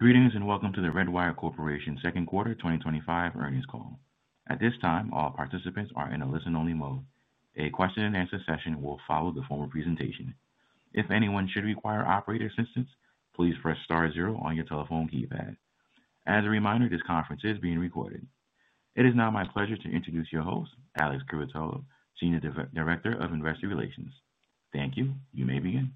Greetings and welcome to the Redwire Corporation Second Quarter 2025 Earnings Call. At this time, all participants are in a listen-only mode. A question-and-answer session will follow the formal presentation. If anyone should require operator assistance, please press star zero on your telephone keypad. As a reminder, this conference is being recorded. It is now my pleasure to introduce your host, Alex Curatolo, Senior Director of Investor Relations. Thank you. You may begin. Good morning,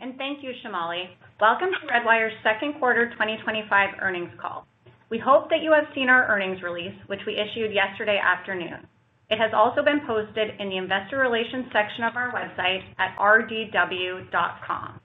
and thank you, Shamali. Welcome to Redwire's Second Quarter 2025 Earnings Call. We hope that you have seen our earnings release, which we issued yesterday afternoon. It has also been posted in the Investor Relations section of our website at rdw.com.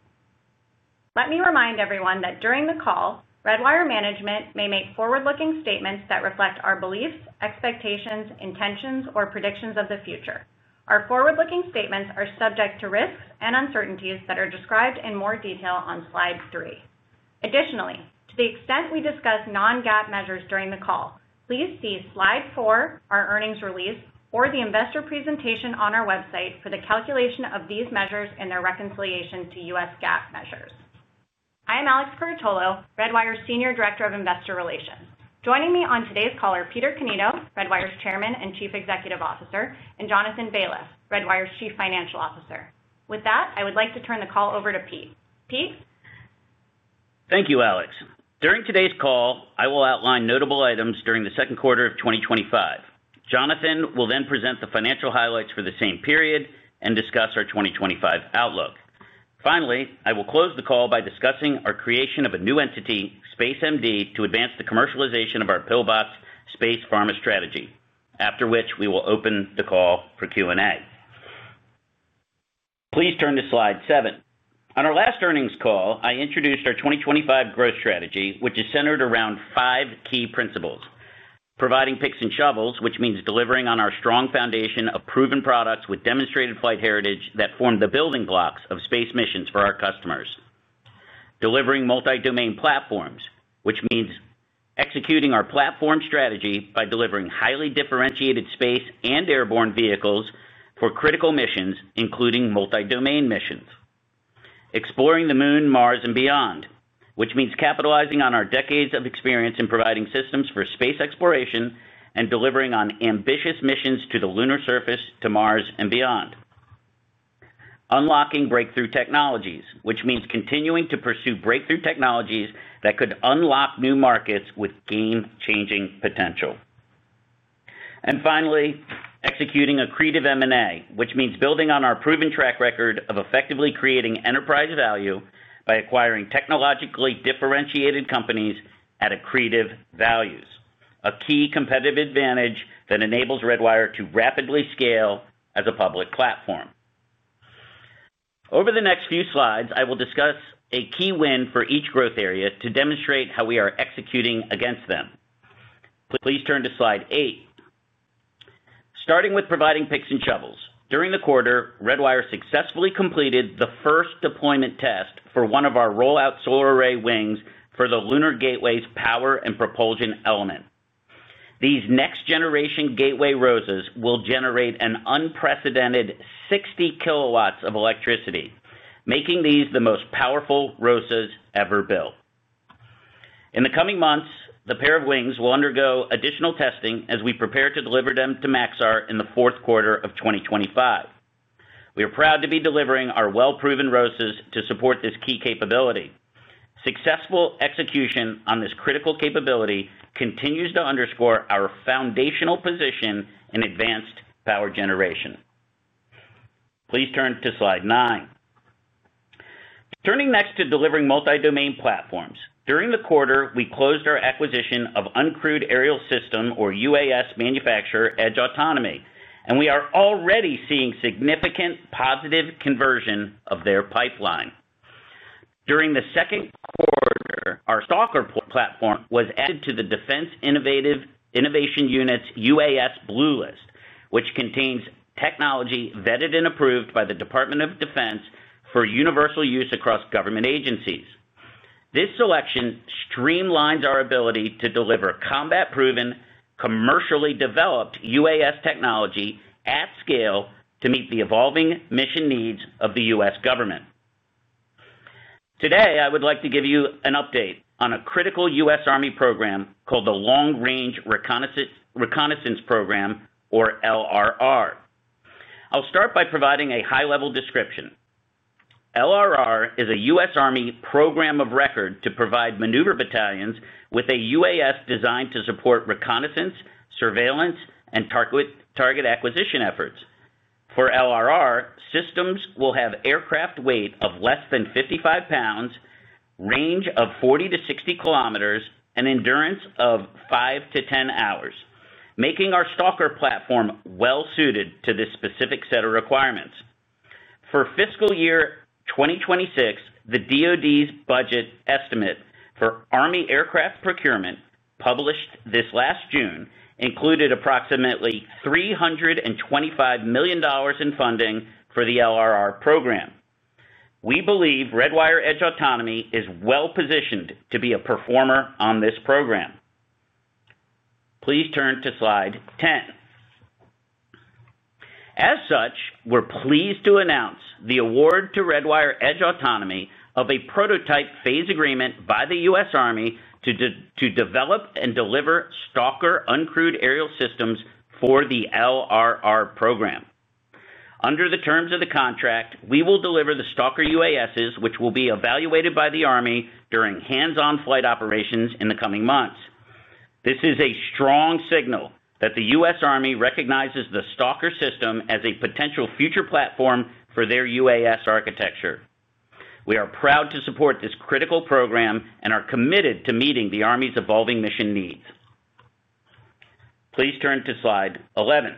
Let me remind everyone that during the call, Redwire Management may make forward-looking statements that reflect our beliefs, expectations, intentions, or predictions of the future. Our forward-looking statements are subject to risks and uncertainties that are described in more detail on slide three. Additionally, to the extent we discuss non-GAAP measures during the call, please see slide four, our earnings release, or the investor presentation on our website for the calculation of these measures and their reconciliation to U.S. GAAP measures. I am Alex Curatolo, Redwire's Senior Director of Investor Relations. Joining me on today's call are Peter Cannito, Redwire's Chairman and Chief Executive Officer, and Jonathan Baliff, Redwire's Chief Financial Officer. With that, I would like to turn the call over to Pete. Pete. Thank you, Alex. During today's call, I will outline notable items during the second quarter of 2025. Jonathan will then present the financial highlights for the same period and discuss our 2025 outlook. Finally, I will close the call by discussing our creation of a new entity, SpaceMD, to advance the commercialization of our PIL-BOX space pharma strategy, after which we will open the call for Q&A. Please turn to slide seven. On our last earnings call, I introduced our 2025 growth strategy, which is centered around five key principles: providing picks and shovels, which means delivering on our strong foundation of proven products with demonstrated flight heritage that form the building blocks of space missions for our customers; delivering multi-domain platforms, which means executing our platform strategy by delivering highly differentiated space and airborne vehicles for critical missions, including multi-domain missions; exploring the Moon, Mars, and beyond, which means capitalizing on our decades of experience in providing systems for space exploration and delivering on ambitious missions to the lunar surface, to Mars, and beyond; unlocking breakthrough technologies, which means continuing to pursue breakthrough technologies that could unlock new markets with game-changing potential; and finally, executing accretive M&A, which means building on our proven track record of effectively creating enterprise value by acquiring technologically differentiated companies at accretive value, a key competitive advantage that enables Redwire to rapidly scale as a public platform. Over the next few slides, I will discuss a key win for each growth area to demonstrate how we are executing against them. Please turn to slide eight. Starting with providing picks and shovels, during the quarter, Redwire successfully completed the first deployment test for Roll-Out Solar Array wings for the lunar Gateway's Power and Propulsion Element. These next-generation Gateway ROSAs will generate an unprecedented 60 kW of electricity, making these the most powerful ROSAs ever built. In the coming months, the pair of wings will undergo additional testing as we prepare to deliver them to Maxar in the fourth quarter of 2025. We are proud to be delivering our well-proven ROSAs to support this key capability. Successful execution on this critical capability continues to underscore our foundational position in advanced power generation. Please turn to slide nine. Turning next to delivering multi-domain platforms, during the quarter, we closed our acquisition of uncrewed aerial systems, or UAS, manufacturer Edge Autonomy, and we are already seeing significant positive conversion of their pipeline. During the second quarter, our Stalker platform was added to the Defense Innovation Unit's UAS Blue List, which contains technology vetted and approved by the Department of Defense for universal use across government agencies. This selection streamlines our ability to deliver combat-proven, commercially developed UAS technology at scale to meet the evolving mission needs of the U.S. government. Today, I would like to give you an update on a critical U.S. Army program called the Long-Range Reconnaissance program, or LRR. I'll start by providing a high-level description. LRR is a U.S. Army program of record to provide maneuver battalions with a UAS designed to support reconnaissance, surveillance, and target acquisition efforts. For LRR, systems will have aircraft weight of less than 55 lbs, range of 40 km-60 km, and endurance of 5 hours-10 hours, making our Stalker platform well-suited to this specific set of requirements. For fiscal year 2026, the DOD's budget estimate for Army aircraft procurement, published this last June, included approximately $325 million in funding for the LRR program. We believe Redwire Edge Autonomy is well-positioned to be a performer on this program. Please turn to slide 10. As such, we're pleased to announce the award to Redwire Edge Autonomy of a prototype phase agreement by the U.S. Army to develop and deliver Stalker uncrewed aerial systems for the LRR program. Under the terms of the contract, we will deliver the Stalker UASs, which will be evaluated by the Army during hands-on flight operations in the coming months. This is a strong signal that the U.S.Army recognizes the Stalker system as a potential future platform for their UAS architecture. We are proud to support this critical program and are committed to meeting the Army's evolving mission needs. Please turn to slide 11.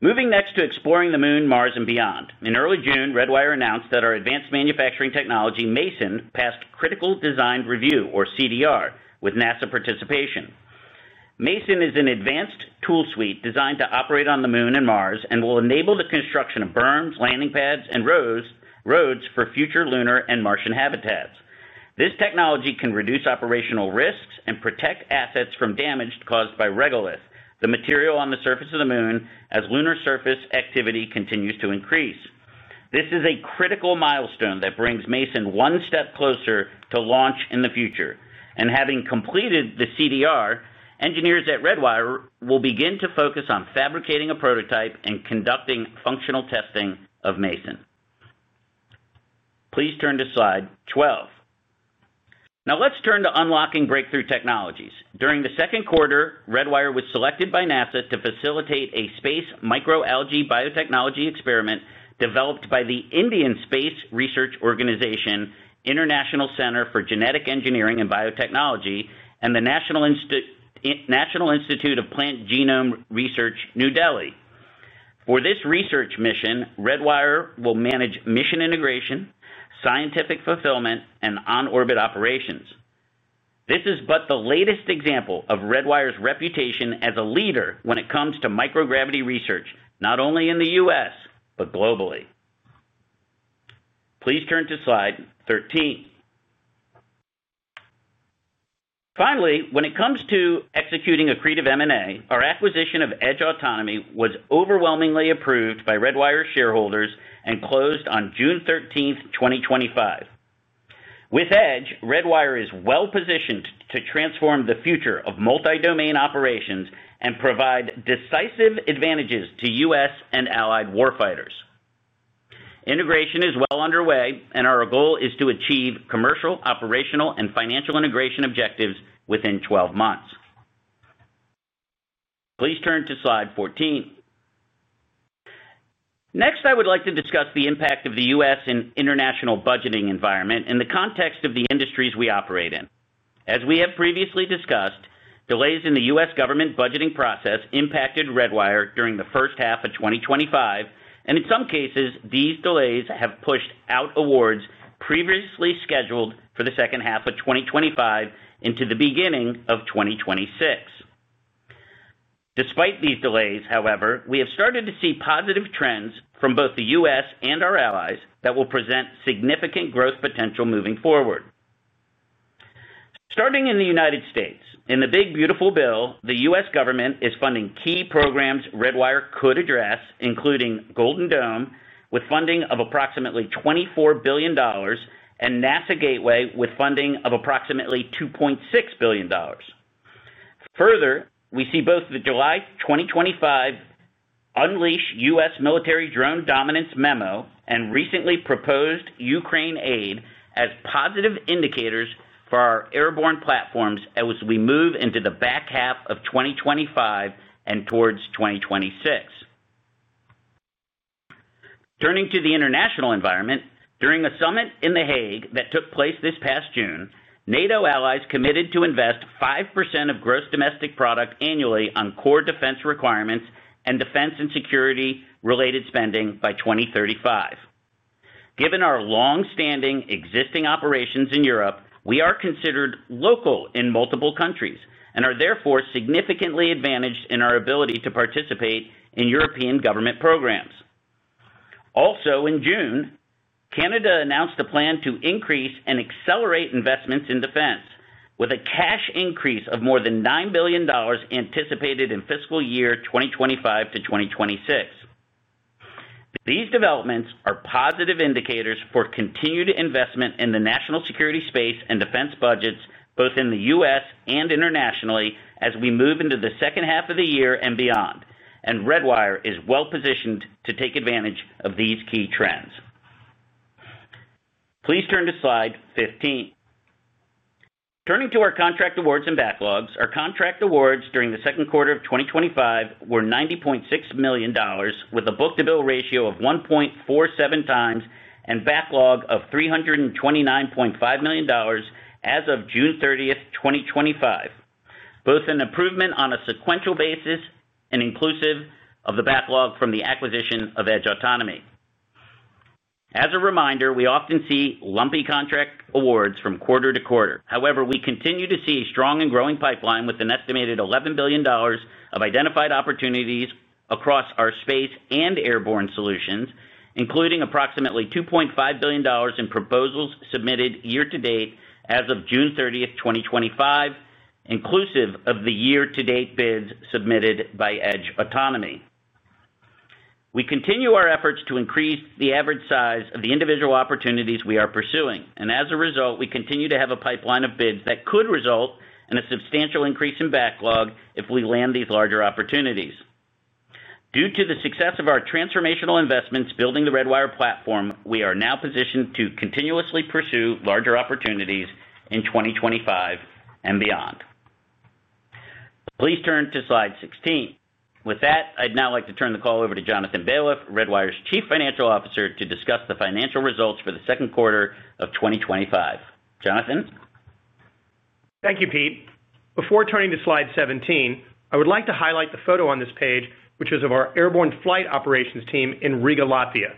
Moving next to exploring the Moon, Mars, and beyond. In early June, Redwire announced that our advanced manufacturing technology, Mason, passed critical design review, or CDR, with NASA participation. Mason is an advanced tool suite designed to operate on the Moon and Mars and will enable the construction of berms, landing pads, and roads for future lunar and Martian habitats. This technology can reduce operational risks and protect assets from damage caused by regolith, the material on the surface of the Moon, as lunar surface activity continues to increase. This is a critical milestone that brings Mason one step closer to launch in the future. Having completed the CDR, engineers at Redwire will begin to focus on fabricating a prototype and conducting functional testing of Mason. Please turn to slide 12. Now let's turn to unlocking breakthrough technologies. During the second quarter, Redwire was selected by NASA to facilitate a space microalgae biotechnology experiment developed by the Indian Space Research Organization, International Center for Genetic Engineering and Biotechnology, and the National Institute of Plant Genome Research, New Delhi. For this research mission, Redwire will manage mission integration, scientific fulfillment, and on-orbit operations. This is but the latest example of Redwire's reputation as a leader when it comes to microgravity research, not only in the U.S. but globally. Please turn to slide 13. Finally, when it comes to executing a creative M&A, our acquisition of Edge Autonomy was overwhelmingly approved by Redwire shareholders and closed on June 13th, 2025. With Edge, Redwire is well-positioned to transform the future of multi-domain operations and provide decisive advantages to U.S. and allied warfighters. Integration is well underway, and our goal is to achieve commercial, operational, and financial integration objectives within 12 months. Please turn to slide 14. Next, I would like to discuss the impact of the U.S. international budgeting environment in the context of the industries we operate in. As we have previously discussed, delays in the U.S. government budgeting process impacted Redwire during the first half of 2025, and in some cases, these delays have pushed out awards previously scheduled for the second half of 2025 into the beginning of 2026. Despite these delays, however, we have started to see positive trends from both the U.S. and our allies that will present significant growth potential moving forward. Starting in the United States, in the Big Beautiful Bill, the U.S. government is funding key programs Redwire could address, including Golden Dome, with funding of approximately $24 billion, and NASA Gateway, with funding of approximately $2.6 billion. Further, we see both the July 2025 Unleash U.S. Military Drone Dominance Memo and recently proposed Ukraine aid as positive indicators for our airborne platforms as we move into the back half of 2025 and towards 2026. Turning to the international environment, during a summit in The Hague that took place this past June, NATO allies committed to invest 5% of gross domestic product annually on core defense requirements and defense and security-related spending by 2035. Given our longstanding existing operations in Europe, we are considered local in multiple countries and are therefore significantly advantaged in our ability to participate in European government programs. Also, in June, Canada announced a plan to increase and accelerate investments in defense, with a cash increase of more than $9 billion anticipated in fiscal year 2025-2026. These developments are positive indicators for continued investment in the national security space and defense budgets, both in the U.S. and internationally, as we move into the second half of the year and beyond, and Redwire is well-positioned to take advantage of these key trends. Please turn to slide 15. Turning to our contract awards and backlogs, our contract awards during the second quarter of 2025 were $90.6 million, with a book-to-bill ratio of 1.47x and a backlog of $329.5 million as of June 30th, 2025, both an improvement on a sequential basis and inclusive of the backlog from the acquisition of Edge Autonomy. As a reminder, we often see lumpy contract awards from quarter-to-quarter. However, we continue to see a strong and growing pipeline with an estimated $11 billion of identified opportunities across our space and airborne solutions, including approximately $2.5 billion in proposals submitted year-to-date as of June 30th, 2025, inclusive of the year-to-date bids submitted by Edge Autonomy. We continue our efforts to increase the average size of the individual opportunities we are pursuing, and as a result, we continue to have a pipeline of bids that could result in a substantial increase in backlog if we land these larger opportunities. Due to the success of our transformational investments building the Redwire platform, we are now positioned to continuously pursue larger opportunities in 2025 and beyond. Please turn to slide 16. With that, I'd now like to turn the call over to Jonathan Baliff, Redwire's Chief Financial Officer, to discuss the financial results for the second quarter of 2025. Jonathan? Thank you, Pete. Before turning to slide 17, I would like to highlight the photo on this page, which is of our airborne flight operations team in Riga, Latvia,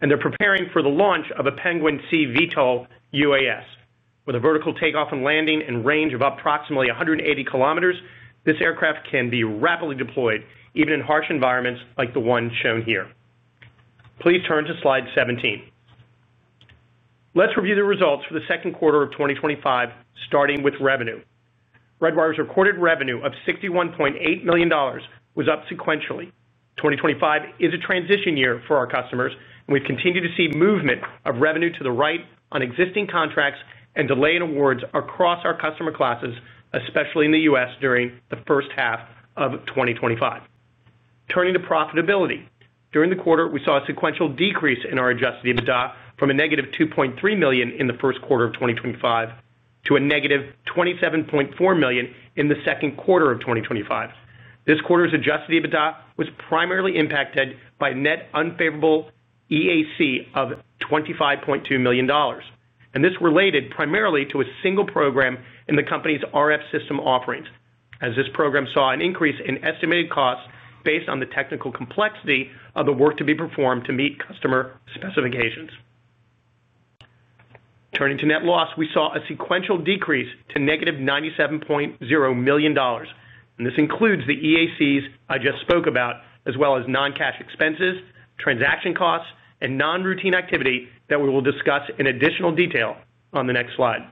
and they're preparing for the launch of a Penguin C VTOL UAS. With a vertical takeoff and landing and range of approximately 180 km, this aircraft can be rapidly deployed even in harsh environments like the one shown here. Please turn to slide 17. Let's review the results for the second quarter of 2025, starting with revenue. Redwire's recorded revenue of $61.8 million was up sequentially. 2025 is a transition year for our customers, and we've continued to see movement of revenue to the right on existing contracts and delay in awards across our customer classes, especially in the U.S. during the first half of 2025. Turning to profitability, during the quarter, we saw a sequential decrease in our adjusted EBITDA from a -$2.3 million in the first quarter of 2025 to a -$27.4 million in the second quarter of 2025. This quarter's adjusted EBITDA was primarily impacted by a net unfavorable EAC of $25.2 million, and this related primarily to a single program in the company's RF system offerings, as this program saw an increase in estimated costs based on the technical complexity of the work to be performed to meet customer specifications. Turning to net loss, we saw a sequential decrease to -$97.0 million, and this includes the EACs I just spoke about, as well as non-cash expenses, transaction costs, and non-routine activity that we will discuss in additional detail on the next slide.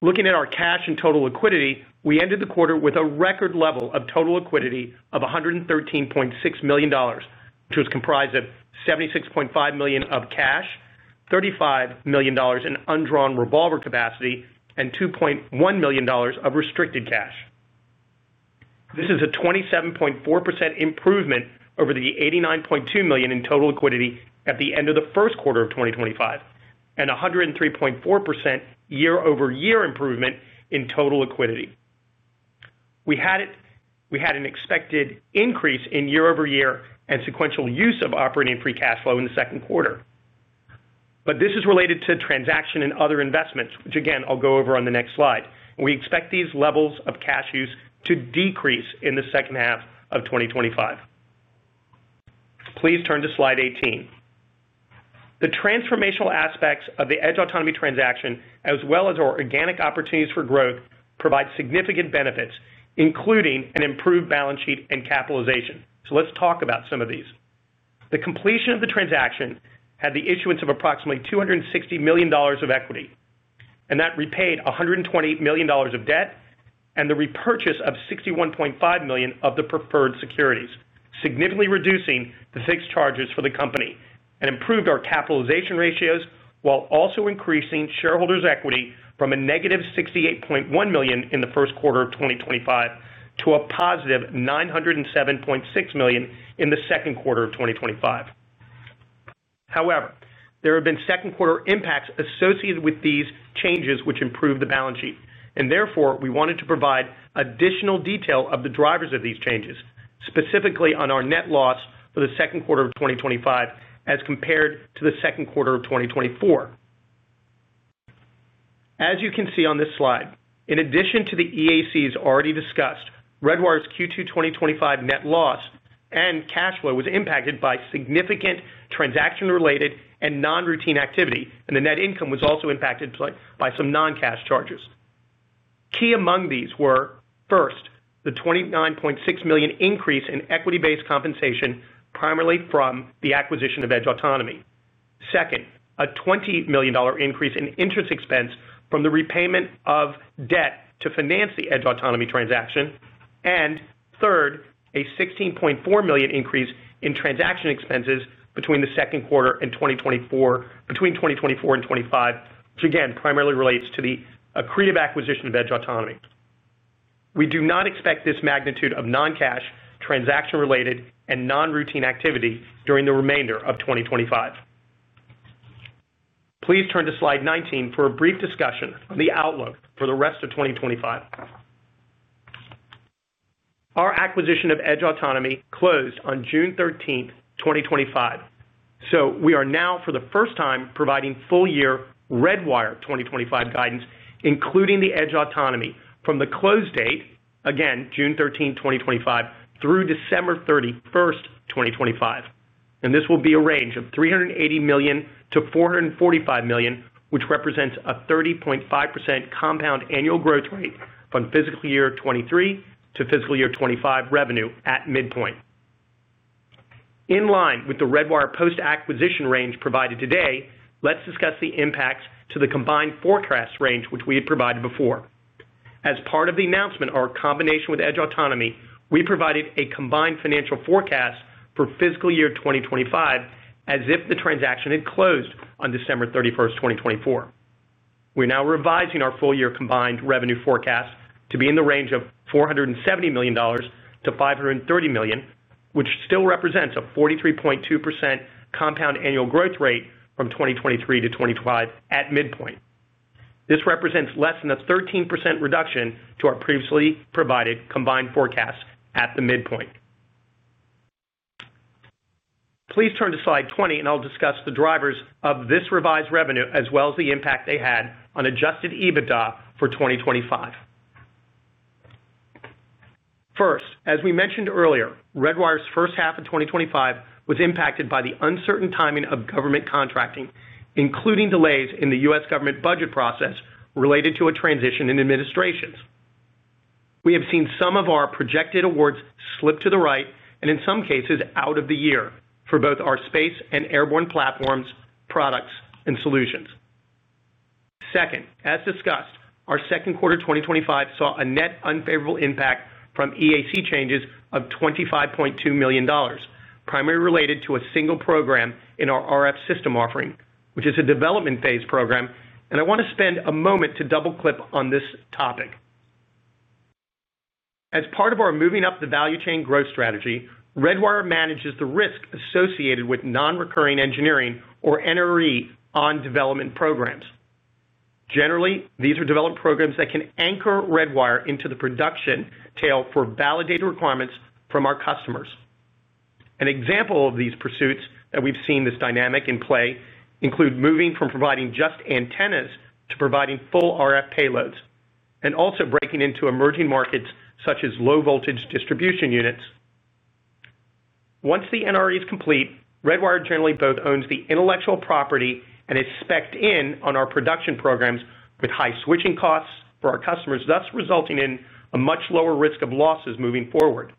Looking at our cash and total liquidity, we ended the quarter with a record level of total liquidity of $113.6 million, which was comprised of $76.5 million of cash, $35 million in undrawn revolver capacity, and $2.1 million of restricted cash. This is a 27.4% improvement over the $89.2 million in total liquidity at the end of the first quarter of 2025, and a 103.4% year-over-year improvement in total liquidity. We had an expected increase in year-over-year and sequential use of operating free cash flow in the second quarter, but this is related to transaction and other investments, which again I'll go over on the next slide. We expect these levels of cash use to decrease in the second half of 2025. Please turn to slide 18. The transformational aspects of the Edge Autonomy transaction, as well as our organic opportunities for growth, provide significant benefits, including an improved balance sheet and capitalization. Let's talk about some of these. The completion of the transaction had the issuance of approximately $260 million of equity, and that repaid $120 million of debt and the repurchase of $61.5 million of the preferred securities, significantly reducing the fixed charges for the company and improved our capitalization ratios while also increasing shareholders' equity from a -$68.1 million in the first quarter of 2025 to a +$907.6 million in the second quarter of 2025. However, there have been second quarter impacts associated with these changes which improved the balance sheet, and therefore we wanted to provide additional detail of the drivers of these changes, specifically on our net loss for the second quarter of 2025 as compared to the second quarter of 2024. As you can see on this slide, in addition to the EACs already discussed, Redwire's Q2 2025 net loss and cash flow was impacted by significant transaction-related and non-routine activity, and the net income was also impacted by some non-cash charges. Key among these were, first, the $29.6 million increase in equity-based compensation, primarily from the acquisition of Edge Autonomy; second, a $20 million increase in interest expense from the repayment of debt to finance the Edge Autonomy transaction; and third, a $16.4 million increase in transaction expenses between the second quarter in 2024 and 2025, which again primarily relates to the creative acquisition of Edge Autonomy. We do not expect this magnitude of non-cash, transaction-related, and non-routine activity during the remainder of 2025. Please turn to slide 19 for a brief discussion of the outlook for the rest of 2025. Our acquisition of Edge Autonomy closed on June 13th, 2025. We are now, for the first time, providing full-year Redwire 2025 guidance, including the Edge Autonomy from the close date, June 13th, 2025, through December 31st, 2025. This will be a range of $380 million-$445 million, which represents a 30.5% compound annual growth rate from fiscal year 2023 to fiscal year 2025 revenue at midpoint. In line with the Redwire post-acquisition range provided today, let's discuss the impacts to the combined forecast range, which we had provided before. As part of the announcement or combination with Edge Autonomy, we provided a combined financial forecast for fiscal year 2025 as if the transaction had closed on December 31st, 2024. We're now revising our full-year combined revenue forecast to be in the range of $470 million-$530 million, which still represents a 43.2% compound annual growth rate from 2023-2025 at midpoint. This represents less than a 13% reduction to our previously provided combined forecast at the midpoint. Please turn to slide 20, and I'll discuss the drivers of this revised revenue, as well as the impact they had on adjusted EBITDA for 2025. First, as we mentioned earlier, Redwire's first half of 2025 was impacted by the uncertain timing of government contracting, including delays in the U.S. government budget process related to a transition in administrations. We have seen some of our projected awards slip to the right and, in some cases, out of the year for both our space and airborne platforms, products, and solutions. Second, as discussed, our second quarter 2025 saw a net unfavorable impact from EAC changes of $25.2 million, primarily related to a single program in our RF system offering, which is a development phase program. I want to spend a moment to double-click on this topic. As part of our moving up the value chain growth strategy, Redwire manages the risk associated with non-recurring engineering, or NRE, on development programs. Generally, these are development programs that can anchor Redwire into the production tail for validated requirements from our customers. An example of these pursuits that we've seen this dynamic in play include moving from providing just antennas to providing full RF payloads and also breaking into emerging markets such as low-voltage distribution units. Once the NRE is complete, Redwire generally both owns the intellectual property and is specced in on our production programs with high switching costs for our customers, thus resulting in a much lower risk of losses moving forward.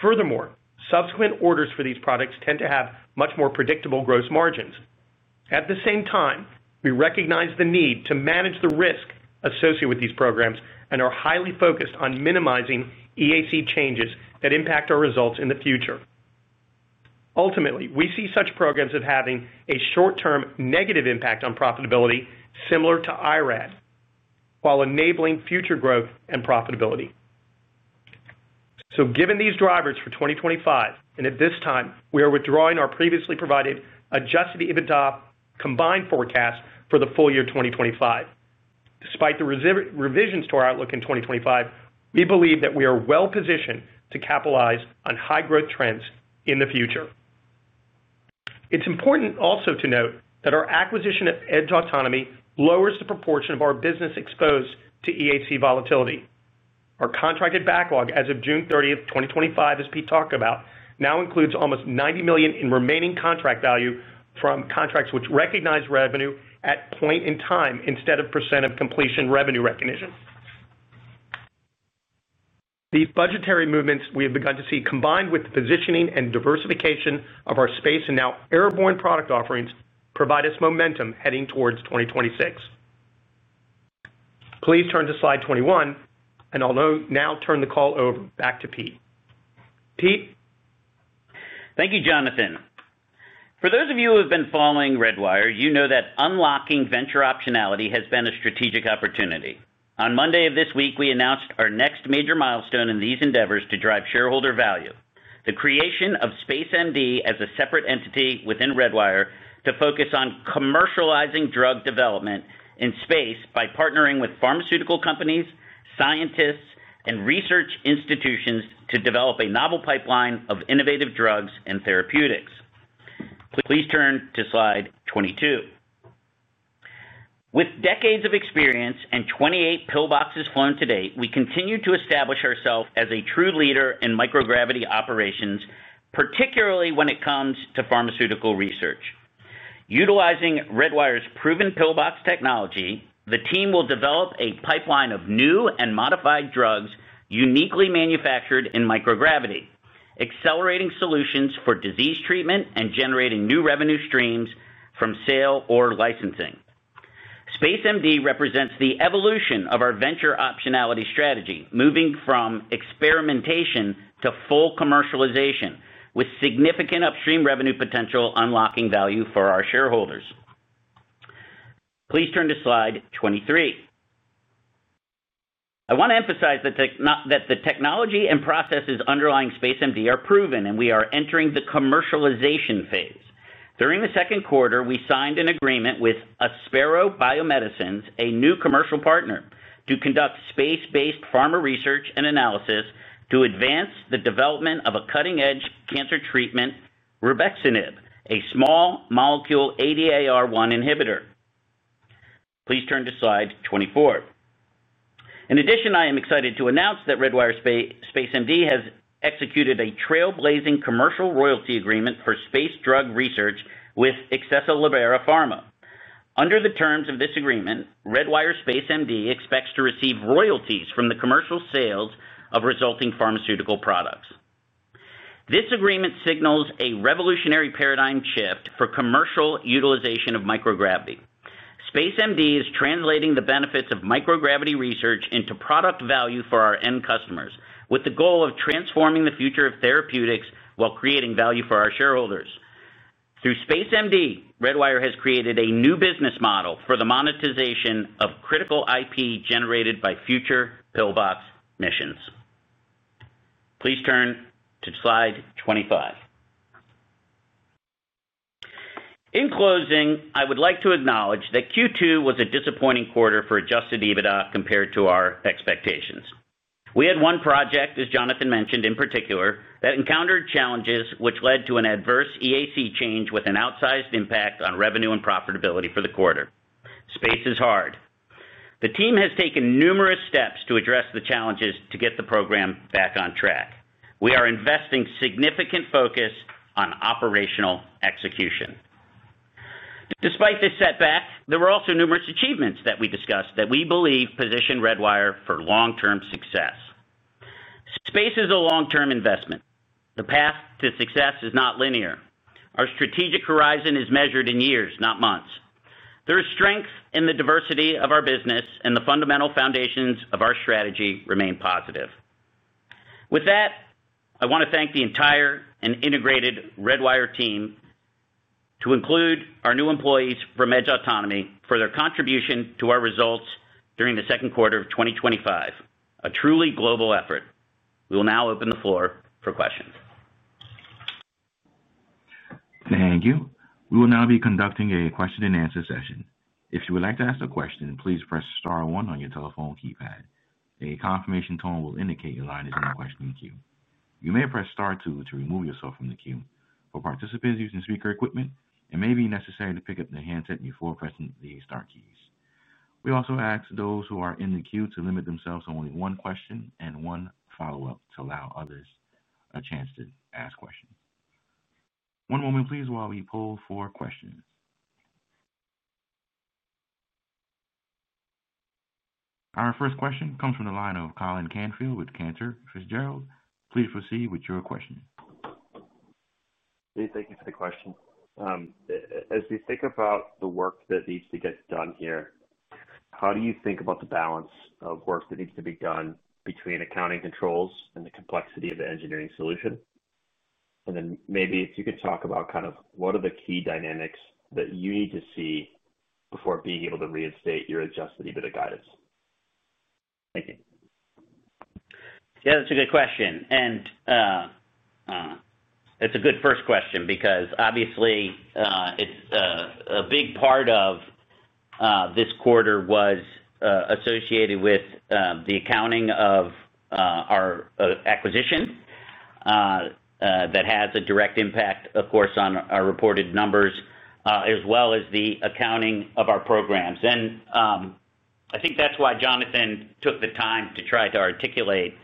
Furthermore, subsequent orders for these products tend to have much more predictable gross margins. At the same time, we recognize the need to manage the risk associated with these programs and are highly focused on minimizing EAC changes that impact our results in the future. Ultimately, we see such programs as having a short-term negative impact on profitability, similar to IRAD, while enabling future growth and profitability. Given these drivers for 2025, at this time, we are withdrawing our previously provided adjusted EBITDA combined forecast for the full year 2025. Despite the revisions to our outlook in 2025, we believe that we are well-positioned to capitalize on high-growth trends in the future. It's important also to note that our acquisition of Edge Autonomy lowers the proportion of our business exposed to EAC volatility. Our contracted backlog as of June 30th, 2025, as Pete talked about, now includes almost $90 million in remaining contract value from contracts which recognize revenue at point in time instead of percent of completion revenue recognition. These budgetary movements we have begun to see, combined with the positioning and diversification of our space and now airborne product offerings, provide us momentum heading towards 2026. Please turn to slide 21, and I'll now turn the call over back to Pete. Pete. Thank you, Jonathan. For those of you who have been following Redwire, you know that unlocking venture optionality has been a strategic opportunity. On Monday of this week, we announced our next major milestone in these endeavors to drive shareholder value: the creation of SpaceMD as a separate entity within Redwire to focus on commercializing drug development in space by partnering with pharmaceutical companies, scientists, and research institutions to develop a novel pipeline of innovative drugs and therapeutics. Please turn to slide 22. With decades of experience and 28 PIL-BOXes flown to date, we continue to establish ourselves as a true leader in microgravity operations, particularly when it comes to pharmaceutical research. Utilizing Redwire's proven PIL-BOX technology, the team will develop a pipeline of new and modified drugs uniquely manufactured in microgravity, accelerating solutions for disease treatment and generating new revenue streams from sale or licensing. SpaceMD represents the evolution of our venture optionality strategy, moving from experimentation to full commercialization, with significant upstream revenue potential unlocking value for our shareholders. Please turn to slide 23. I want to emphasize that the technology and processes underlying SpaceMD are proven, and we are entering the commercialization phase. During the second quarter, we signed an agreement with Aspera Biomedicines, a new commercial partner, to conduct space-based pharma research and analysis to advance the development of a cutting-edge cancer treatment, rubexinib, a small molecule ADAR1 inhibitor. Please turn to slide 24. In addition, I am excited to announce that Redwire SpaceMD has executed a trailblazing commercial royalty agreement for space drug research with ExesaLibero Pharma. Under the terms of this agreement, Redwire SpaceMD expects to receive royalties from the commercial sales of resulting pharmaceutical products. This agreement signals a revolutionary paradigm shift for commercial utilization of microgravity. SpaceMD is translating the benefits of microgravity research into product value for our end customers, with the goal of transforming the future of therapeutics while creating value for our shareholders. Through SpaceMD, Redwire has created a new business model for the monetization of critical IP generated by future PIL-BOX missions. Please turn to slide 25. In closing, I would like to acknowledge that Q2 was a disappointing quarter for adjusted EBITDA compared to our expectations. We had one project, as Jonathan mentioned, in particular, that encountered challenges, which led to an adverse EAC change with an outsized impact on revenue and profitability for the quarter. Space is hard. The team has taken numerous steps to address the challenges to get the program back on track. We are investing significant focus on operational execution. Despite this setback, there were also numerous achievements that we discussed that we believe position Redwire for long-term success. Space is a long-term investment. The path to success is not linear. Our strategic horizon is measured in years, not months. There is strength in the diversity of our business, and the fundamental foundations of our strategy remain positive. With that, I want to thank the entire and integrated Redwire team, to include our new employees, Edge Autonomy, for their contribution to our results during the second quarter of 2025, a truly global effort. We will now open the floor for questions. Thank you. We will now be conducting a question and answer session. If you would like to ask a question, please press star one on your telephone keypad. A confirmation tone will indicate your line is in the questioning queue. You may press star two to remove yourself from the queue. For participants using speaker equipment, it may be necessary to pick up the handset before pressing the star keys. We also ask those who are in the queue to limit themselves to only one question and one follow-up to allow others a chance to ask questions. One moment, please, while we pull for questions. Our first question comes from the line of Colin Canfield with Cantor Fitzgerald. Please proceed with your question. Thank you for the question. As we think about the work that needs to get done here, how do you think about the balance of work that needs to be done between accounting controls and the complexity of the engineering solution? Maybe if you could talk about what are the key dynamics that you need to see before being able to reinstate your adjusted EBITDA guidance? Yeah, that's a good question. That's a good first question because obviously, a big part of this quarter was associated with the accounting of our acquisition that has a direct impact, of course, on our reported numbers, as well as the accounting of our programs. I think that's why Jonathan took the time to try to articulate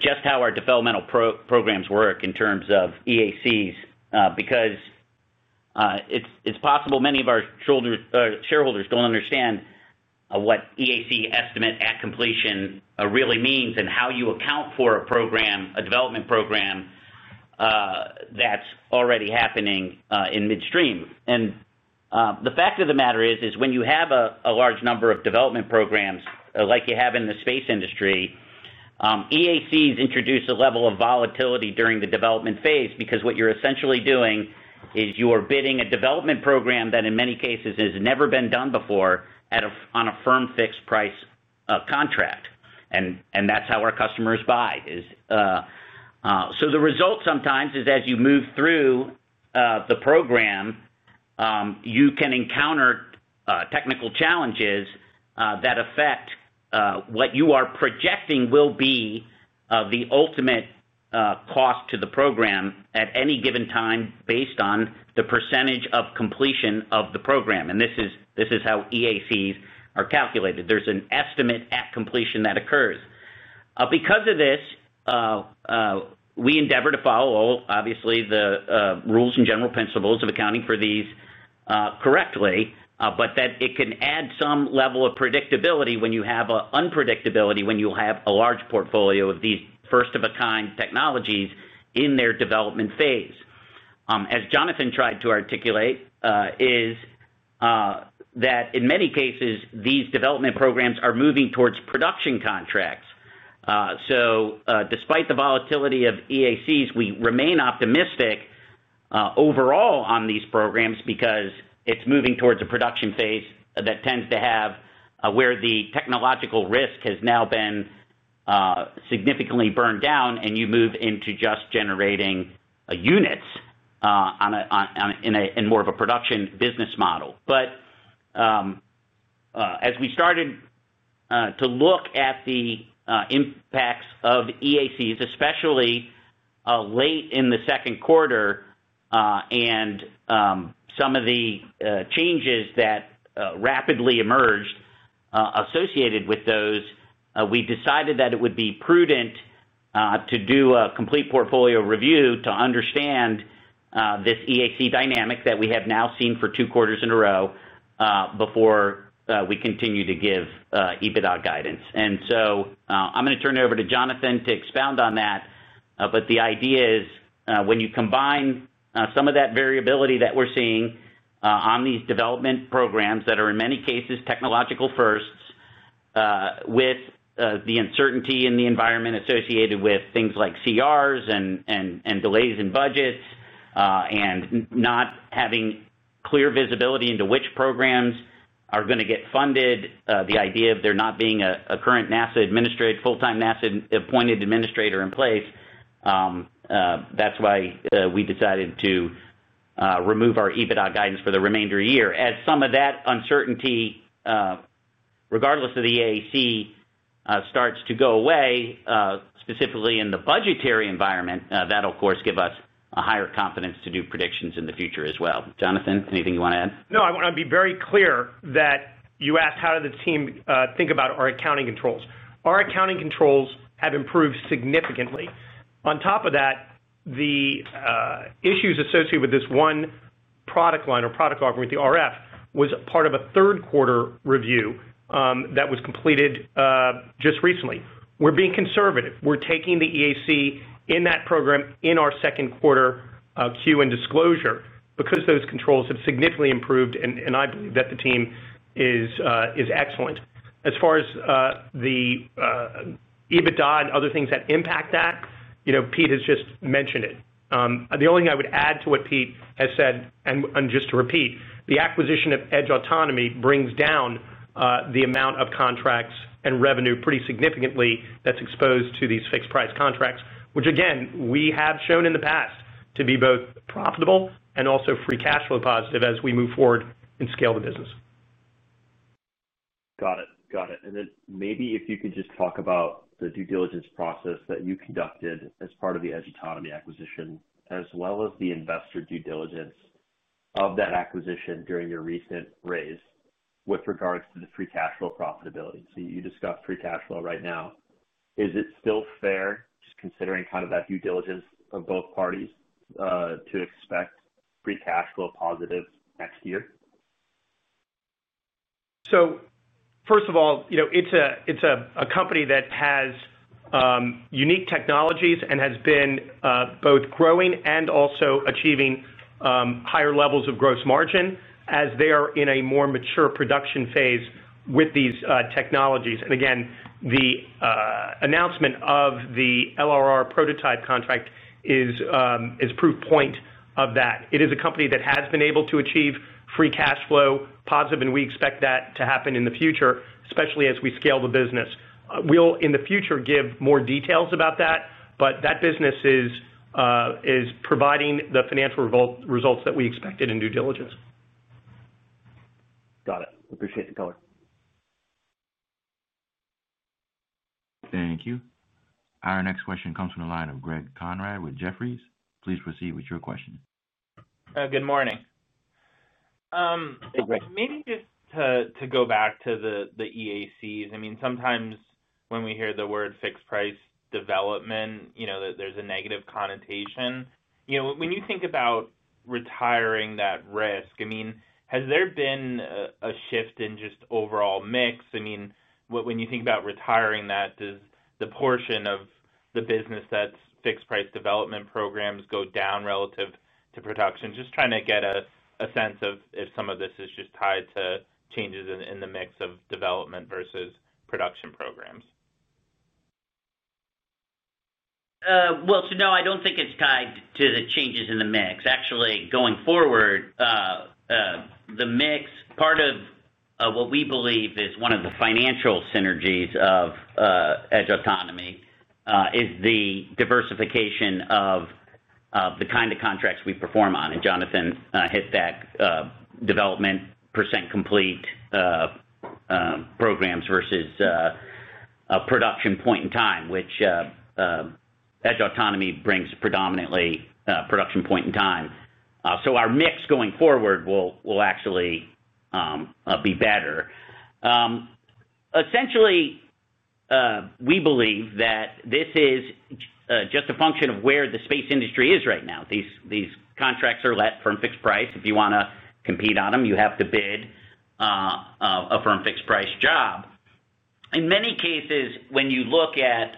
just how our developmental programs work in terms of EACs, because it's possible many of our shareholders don't understand what EAC, estimate-at-completion, really means and how you account for a program, a development program that's already happening in midstream. The fact of the matter is, when you have a large number of development programs, like you have in the space industry, EACs introduce a level of volatility during the development phase because what you're essentially doing is you are bidding a development program that in many cases has never been done before on a firm fixed price contract. That's how our customers buy. The result sometimes is as you move through the program, you can encounter technical challenges that affect what you are projecting will be the ultimate cost to the program at any given time based on the percentage of completion of the program. This is how EACs are calculated. There's an estimate-at-completion that occurs. Because of this, we endeavor to follow, obviously, the rules and general principles of accounting for these correctly, but it can add some level of predictability when you have unpredictability, when you have a large portfolio of these first-of-a-kind technologies in their development phase. As Jonathan tried to articulate, in many cases, these development programs are moving towards production contracts. Despite the volatility of EACs, we remain optimistic overall on these programs because it's moving towards a production phase where the technological risk has now been significantly burned down, and you move into just generating units in more of a production business model. As we started to look at the impacts of EACs, especially late in the second quarter and some of the changes that rapidly emerged associated with those, we decided that it would be prudent to do a complete portfolio review to understand this EAC dynamic that we have now seen for two quarters in a row before we continue to give EBITDA guidance. I'm going to turn it over to Jonathan to expound on that. The idea is when you combine some of that variability that we're seeing on these development programs that are in many cases technological firsts with the uncertainty in the environment associated with things like CRs and delays in budgets and not having clear visibility into which programs are going to get funded, the idea of there not being a current NASA administrator, full-time NASA appointed administrator in place, that's why we decided to remove our EBITDA guidance for the remainder of the year. As some of that uncertainty, regardless of the EAC, starts to go away, specifically in the budgetary environment, that'll, of course, give us a higher confidence to do predictions in the future as well. Jonathan, anything you want to add? No, I want to be very clear that you asked how does the team think about our accounting controls. Our accounting controls have improved significantly. On top of that, the issues associated with this one product line or product argument, the RF, was part of a third quarter review that was completed just recently. We're being conservative. We're taking the EAC in that program in our second quarter queue and disclosure because those controls have significantly improved, and I believe that the team is excellent. As far as the EBITDA and other things that impact that, you know, Pete has just mentioned it. The only thing I would add to what Pete has said, and just to repeat, the acquisition of Edge Autonomy brings down the amount of contracts and revenue pretty significantly that's exposed to these fixed price contracts, which again, we have shown in the past to be both profitable and also free cash flow positive as we move forward and scale the business. Got it. Maybe if you could just talk about the due diligence process that you conducted as part of the Edge Autonomy acquisition, as well as the investor due diligence of that acquisition during your recent raise with regards to the free cash flow profitability. You discussed free cash flow right now. Is it still fair, just considering kind of that due diligence of both parties, to expect free cash flow positives next year? It is a company that has unique technologies and has been both growing and also achieving higher levels of gross margin as they are in a more mature production phase with these technologies. The announcement of the LRR prototype contract is proof point of that. It is a company that has been able to achieve free cash flow positive, and we expect that to happen in the future, especially as we scale the business. In the future, we'll give more details about that, but that business is providing the financial results that we expected in due diligence. Got it. Appreciate the color. Thank you. Our next question comes from the line of [Greg Conrad] with Jefferies. Please proceed with your question. Good morning. Maybe just to go back to the EACs, sometimes when we hear the word fixed price development, there's a negative connotation. When you think about retiring that risk, has there been a shift in just overall mix? When you think about retiring that, does the portion of the business that's fixed price development programs go down relative to production? Just trying to get a sense of if some of this is just tied to changes in the mix of development versus production programs. I don't think it's tied to the changes in the mix. Actually, going forward, the mix, part of what we believe is one of the financial synergies of Edge Autonomy is the diversification of the kind of contracts we perform on. Jonathan hit that development percent complete programs versus production point in time, which Edge Autonomy brings predominantly production point in time. Our mix going forward will actually be better. Essentially, we believe that this is just a function of where the space industry is right now. These contracts are let firm fixed price. If you want to compete on them, you have to bid a firm fixed price job. In many cases, when you look at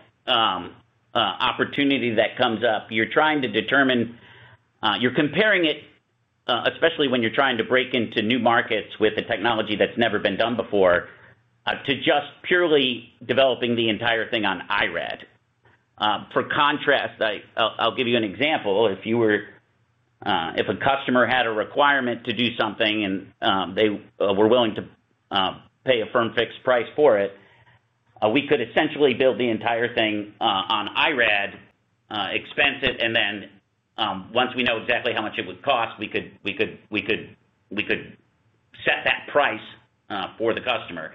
opportunity that comes up, you're trying to determine, you're comparing it, especially when you're trying to break into new markets with a technology that's never been done before, to just purely developing the entire thing on IRAD. For contrast, I'll give you an example. If a customer had a requirement to do something and they were willing to pay a firm fixed price for it, we could essentially build the entire thing on IRAD, expense it, and then once we know exactly how much it would cost, we could set that price for the customer,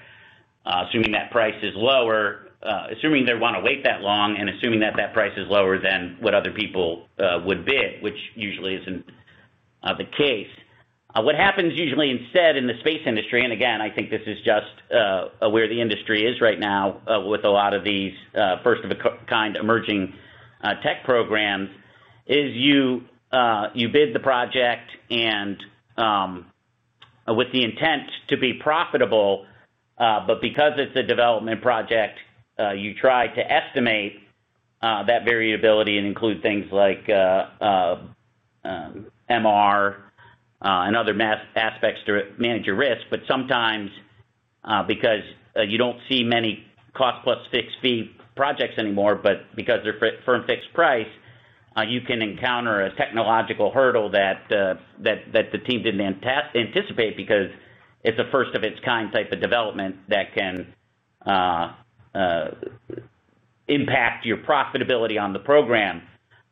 assuming that price is lower, assuming they want to wait that long, and assuming that that price is lower than what other people would bid, which usually isn't the case. What happens usually instead in the space industry, and again, I think this is just where the industry is right now with a lot of these first-of-a-kind emerging tech programs, is you bid the project with the intent to be profitable, but because it's a development project, you try to estimate that variability and include things like MR and other aspects to manage your risk. Sometimes, because you don't see many cost-plus fixed fee projects anymore, but because they're firm fixed price, you can encounter a technological hurdle that the team didn't anticipate because it's a first-of-its-kind type of development that can impact your profitability on the program.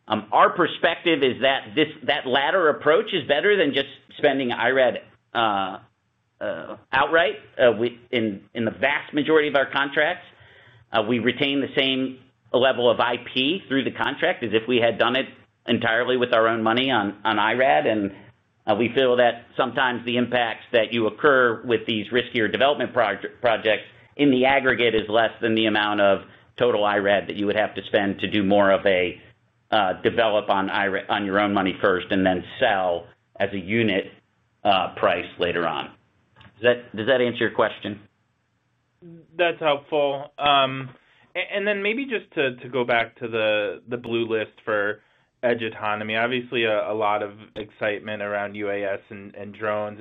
Our perspective is that that latter approach is better than just spending IRAD outright. In the vast majority of our contracts, we retain the same level of IP through the contract as if we had done it entirely with our own money on IRAD. We feel that sometimes the impacts that you occur with these riskier development projects in the aggregate are less than the amount of total IRAD that you would have to spend to do more of a develop on your own money first and then sell as a unit price later on. Does that answer your question? That's helpful. Maybe just to go back to the Blue List for Edge Autonomy, obviously a lot of excitement around UAS and drones.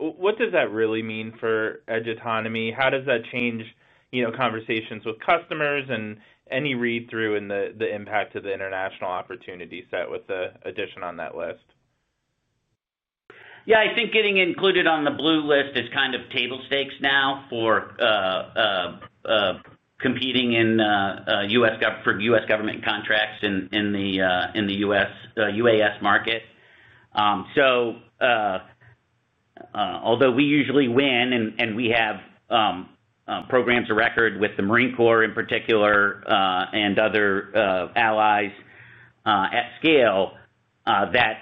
What does that really mean for Edge Autonomy? How does that change conversations with customers, and any read-through in the impact of the international opportunity set with the addition on that list? I think getting included on the Blue List is kind of table stakes now for competing in U.S. government contracts in the U.S. UAS market. Although we usually win and we have programs of record with the Marine Corps in particular and other allies at scale that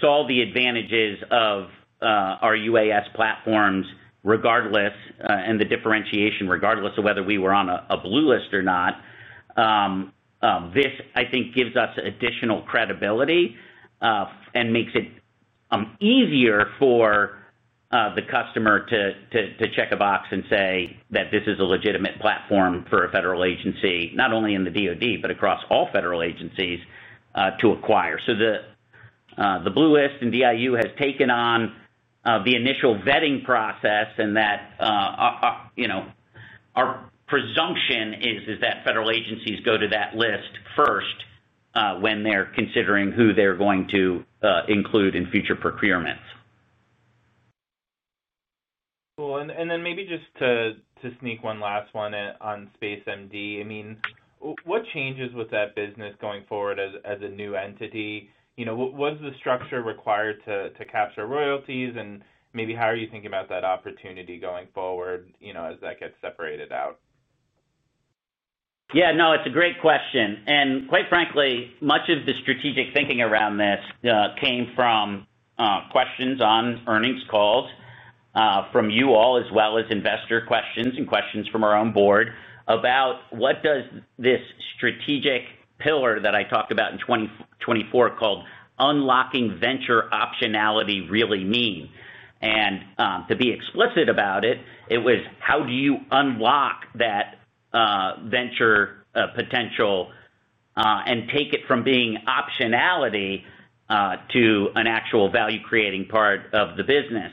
saw the advantages of our UAS platforms regardless and the differentiation regardless of whether we were on a Blue List or not, this gives us additional credibility and makes it easier for the customer to check a box and say that this is a legitimate platform for a federal agency, not only in the DOD, but across all federal agencies to acquire. The Blue List and DIU has taken on the initial vetting process and our presumption is that federal agencies go to that list first when they're considering who they're going to include in future procurements. Cool. Maybe just to sneak one last one on SpaceMD. I mean, what changes with that business going forward as a new entity? You know, what's the structure required to capture royalties, and maybe how are you thinking about that opportunity going forward as that gets separated out? Yeah, no, it's a great question. Quite frankly, much of the strategic thinking around this came from questions on earnings calls from you all, as well as investor questions and questions from our own board about what does this strategic pillar that I talked about in 2024 called unlocking venture optionality really mean. To be explicit about it, it was how do you unlock that venture potential and take it from being optionality to an actual value-creating part of the business.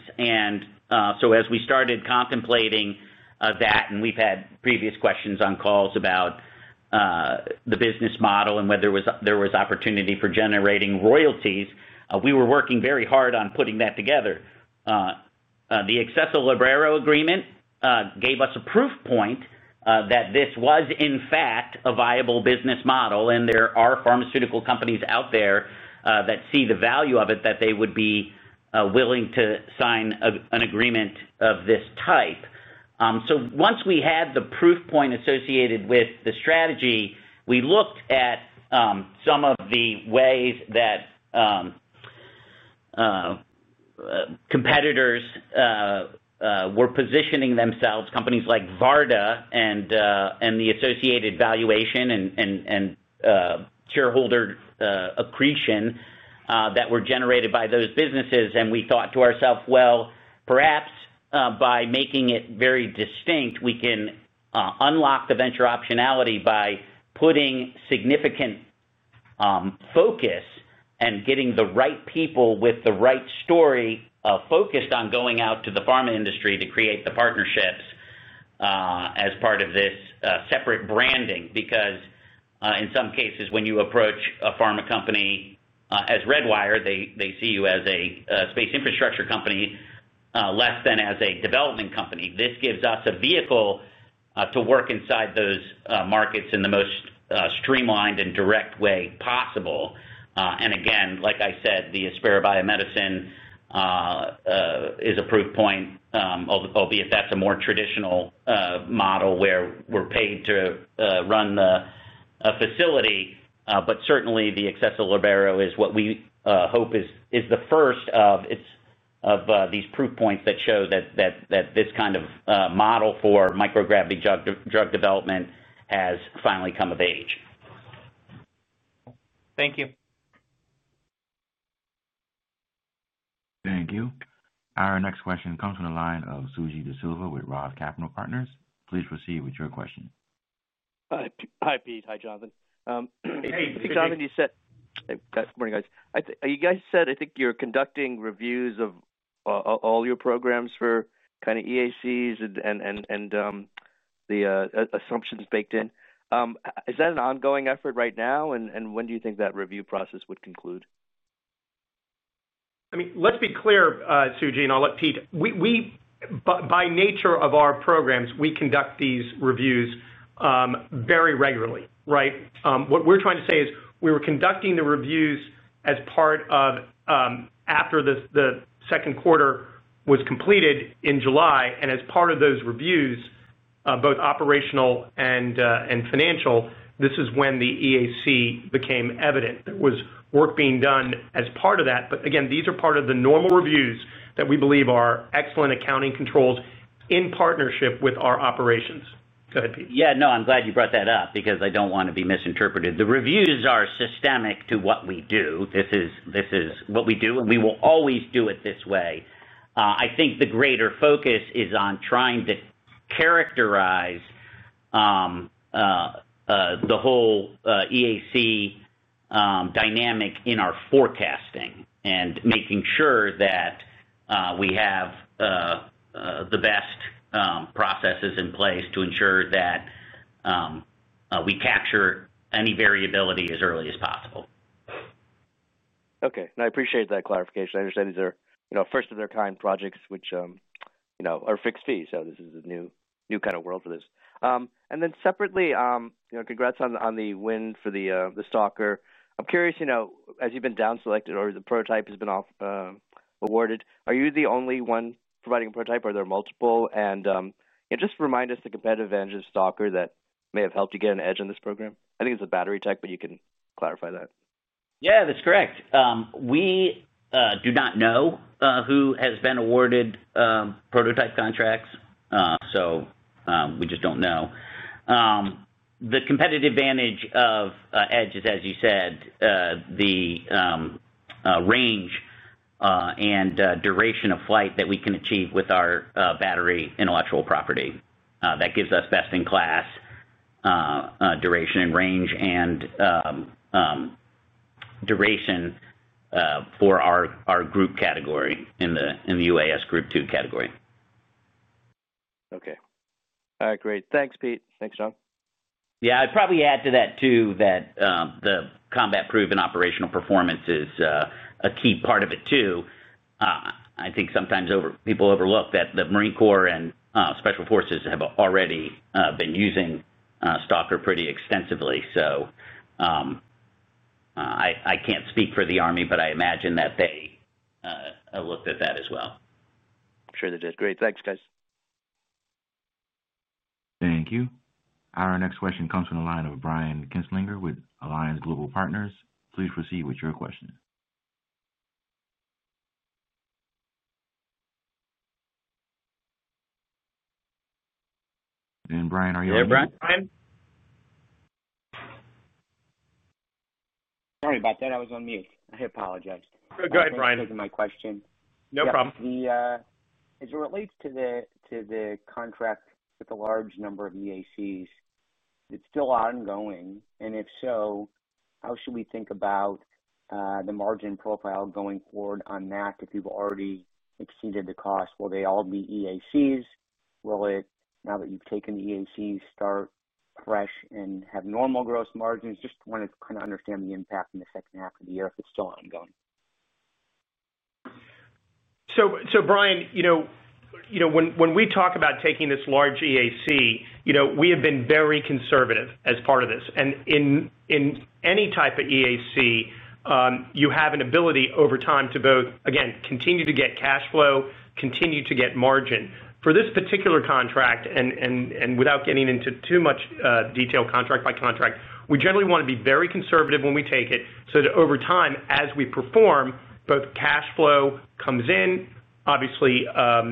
As we started contemplating that, and we've had previous questions on calls about the business model and whether there was opportunity for generating royalties, we were working very hard on putting that together. The ExesaLibero agreement gave us a proof point that this was, in fact, a viable business model, and there are pharmaceutical companies out there that see the value of it that they would be willing to sign an agreement of this type. Once we had the proof point associated with the strategy, we looked at some of the ways that competitors were positioning themselves, companies like Varda and the associated valuation and shareholder accretion that were generated by those businesses. We thought to ourselves, perhaps by making it very distinct, we can unlock the venture optionality by putting significant focus and getting the right people with the right story focused on going out to the pharma industry to create the partnerships as part of this separate branding. In some cases, when you approach a pharma company as Redwire, they see you as a space infrastructure company less than as a development company. This gives us a vehicle to work inside those markets in the most streamlined and direct way possible. Like I said, the Aspera Biomedicines is a proof point, albeit that's a more traditional model where we're paid to run the facility. Certainly, the ExesaLibero is what we hope is the first of these proof points that show that this kind of model for microgravity-enabled drug development has finally come of age. Thank you. Thank you. Our next question comes from the line of Suji DeSilva with ROTH Capital Partners. Please proceed with your question. Hi, Pete. Hi, Jonathan. Hey, Jonathan, good morning, guys. You guys said I think you're conducting reviews of all your programs for kind of EACs and the assumptions baked in. Is that an ongoing effort right now, and when do you think that review process would conclude? I mean, let's be clear, Suji, and I'll let Pete. We, by nature of our programs, conduct these reviews very regularly, right? What we're trying to say is we were conducting the reviews as part of after the second quarter was completed in July. As part of those reviews, both operational and financial, this is when the EAC became evident. There was work being done as part of that. These are part of the normal reviews that we believe are excellent accounting controls in partnership with our operations. Go ahead, Pete. I'm glad you brought that up because I don't want to be misinterpreted. The reviews are systemic to what we do. This is what we do, and we will always do it this way. I think the greater focus is on trying to characterize the whole EAC dynamic in our forecasting and making sure that we have the best processes in place to ensure that we capture any variability as early as possible. Okay. No, I appreciate that clarification. I understand these are first-of-their-kind projects, which are fixed fees. This is a new kind of world for this. Separately, congrats on the win for the Stalker. I'm curious, as you've been down selected or the prototype has been awarded, are you the only one providing a prototype or are there multiple? Just remind us the competitive advantage of Stalker that may have helped you get an edge on this program. I think it's a battery tech, but you can clarify that. Yeah, that's correct. We do not know who has been awarded prototype contracts, so we just don't know. The competitive advantage of Edge is, as you said, the range and duration of flight that we can achieve with our battery intellectual property. That gives us best-in-class duration and range and duration for our group category in the UAS group two category. Okay. All right, great. Thanks, Peter. Thanks, Jonathan. I'd probably add to that too that the combat-proven operational performance is a key part of it too. I think sometimes people overlook that the Marine Corps and Special Forces have already been using Stalker pretty extensively. I can't speak for the Army, but I imagine that they looked at that as well. I'm sure they did. Great, thanks, guys. Thank you. Our next question comes from the line of Brian Kinstlinger with Alliance Global Partners. Please proceed with your question. Brian, are you on the line? Sorry about that. I was on mute. I apologize. Go ahead, Brian. My question. No problem. As it relates to the contract with a large number of EACs, it's still ongoing. How should we think about the margin profile going forward on that? If you've already exceeded the cost, will they all be EACs? Will it, now that you've taken the EACs, start fresh and have normal gross margins? I just want to kind of understand the impact in the second half of the year if it's still ongoing. Brian, you know, when we talk about taking this large EAC, we have been very conservative as part of this. In any type of EAC, you have an ability over time to both continue to get cash flow and continue to get margin. For this particular contract, and without getting into too much detail contract by contract, we generally want to be very conservative when we take it so that over time, as we perform, both cash flow comes in, obviously, at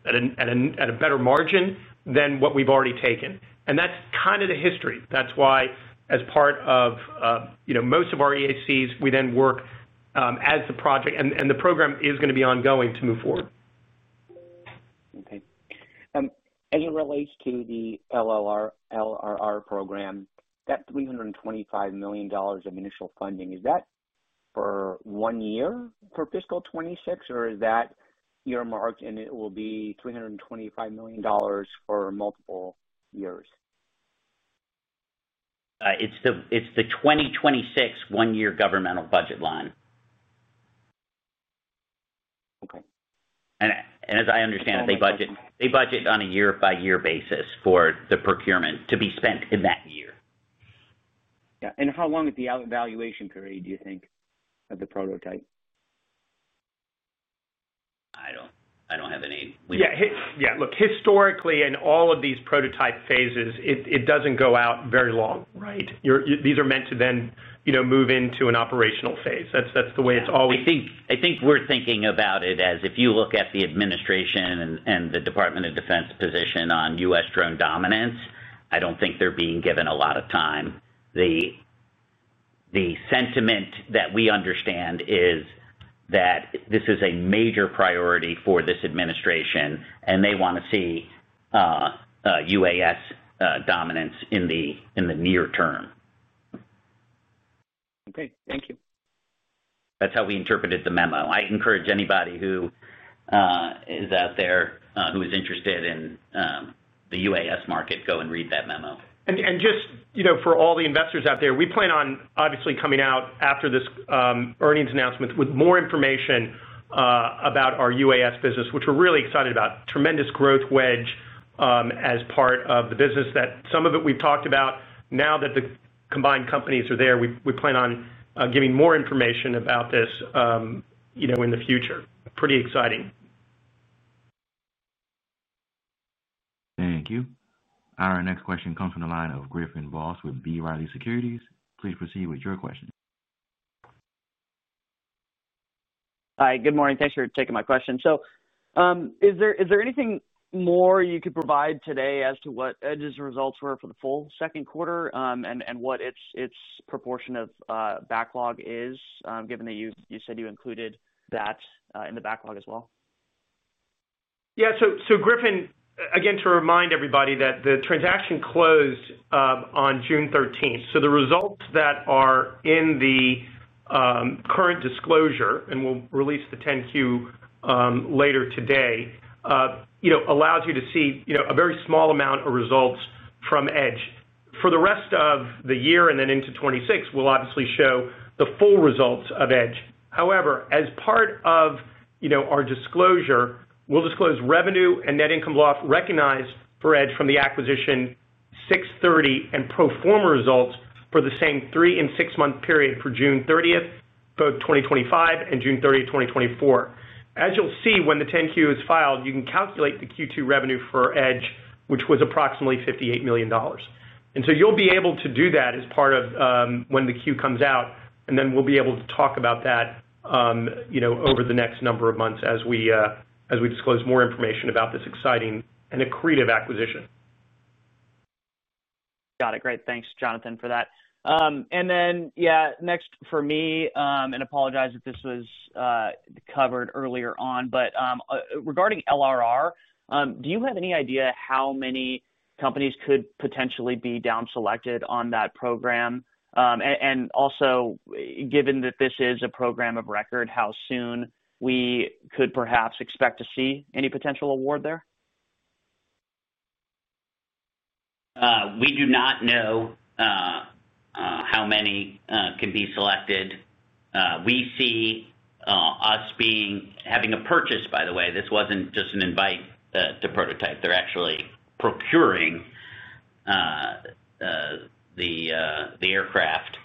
a better margin than what we've already taken. That's kind of the history. That's why, as part of most of our EACs, we then work as the project and the program is going to be ongoing to move forward. As it relates to the LRR program, that $325 million of initial funding, is that for one year for fiscal 2026, or is that year marked and it will be $325 million for multiple years? It's the 2026 one-year governmental budget line. Okay. As I understand it, they budget on a year-by-year basis for the procurement to be spent in that year. How long is the valuation period, do you think, of the prototype? I don't have any. Yeah. Look, historically, in all of these prototype phases, it doesn't go out very long, right? These are meant to then, you know, move into an operational phase. That's the way it's always. I think we're thinking about it as if you look at the administration and the Department of Defense position on U.S. drone dominance, I don't think they're being given a lot of time. The sentiment that we understand is that this is a major priority for this administration, and they want to see UAS dominance in the near term. Okay, thank you. That's how we interpreted the memo. I encourage anybody who is out there who is interested in the UAS market, go and read that memo. For all the investors out there, we plan on obviously coming out after this earnings announcement with more information about our UAS business, which we're really excited about. Tremendous growth wedge as part of the business that some of it we've talked about. Now that the combined companies are there, we plan on giving more information about this in the future. Pretty exciting. Thank you. Our next question comes from the line of Griffin Boss with B. Riley Securities. Please proceed with your question. Hi, good morning. Thanks for taking my question. Is there anything more you could provide today as to what Edge's results were for the full second quarter and what its proportion of backlog is, given that you said you included that in the backlog as well? Yeah, Griffin, again, to remind everybody that the transaction closed on June 13th. The results that are in the current disclosure, and we'll release the 10-Q later today, allow you to see a very small amount of results from Edge. For the rest of the year and then into 2026, we'll obviously show the full results of Edge. However, as part of our disclosure, we'll disclose revenue and net income loss recognized for Edge from the acquisition, 6/30, and pro forma results for the same three and six-month period for June 30th, both 2025 and June 30th, 2024. As you'll see, when the 10-Q is filed, you can calculate the Q2 revenue for Edge, which was approximately $58 million. You'll be able to do that as part of when the Q comes out. We'll be able to talk about that over the next number of months as we disclose more information about this exciting and accretive acquisition. Got it. Great. Thanks, Jonathan, for that. Next for me, and apologize if this was covered earlier on, but regarding LRR, do you have any idea how many companies could potentially be down selected on that program? Also, given that this is a program of record, how soon we could perhaps expect to see any potential award there? We do not know how many can be selected. We see us being having a purchase, by the way. This wasn't just an invite to prototype. They're actually procuring the aircraft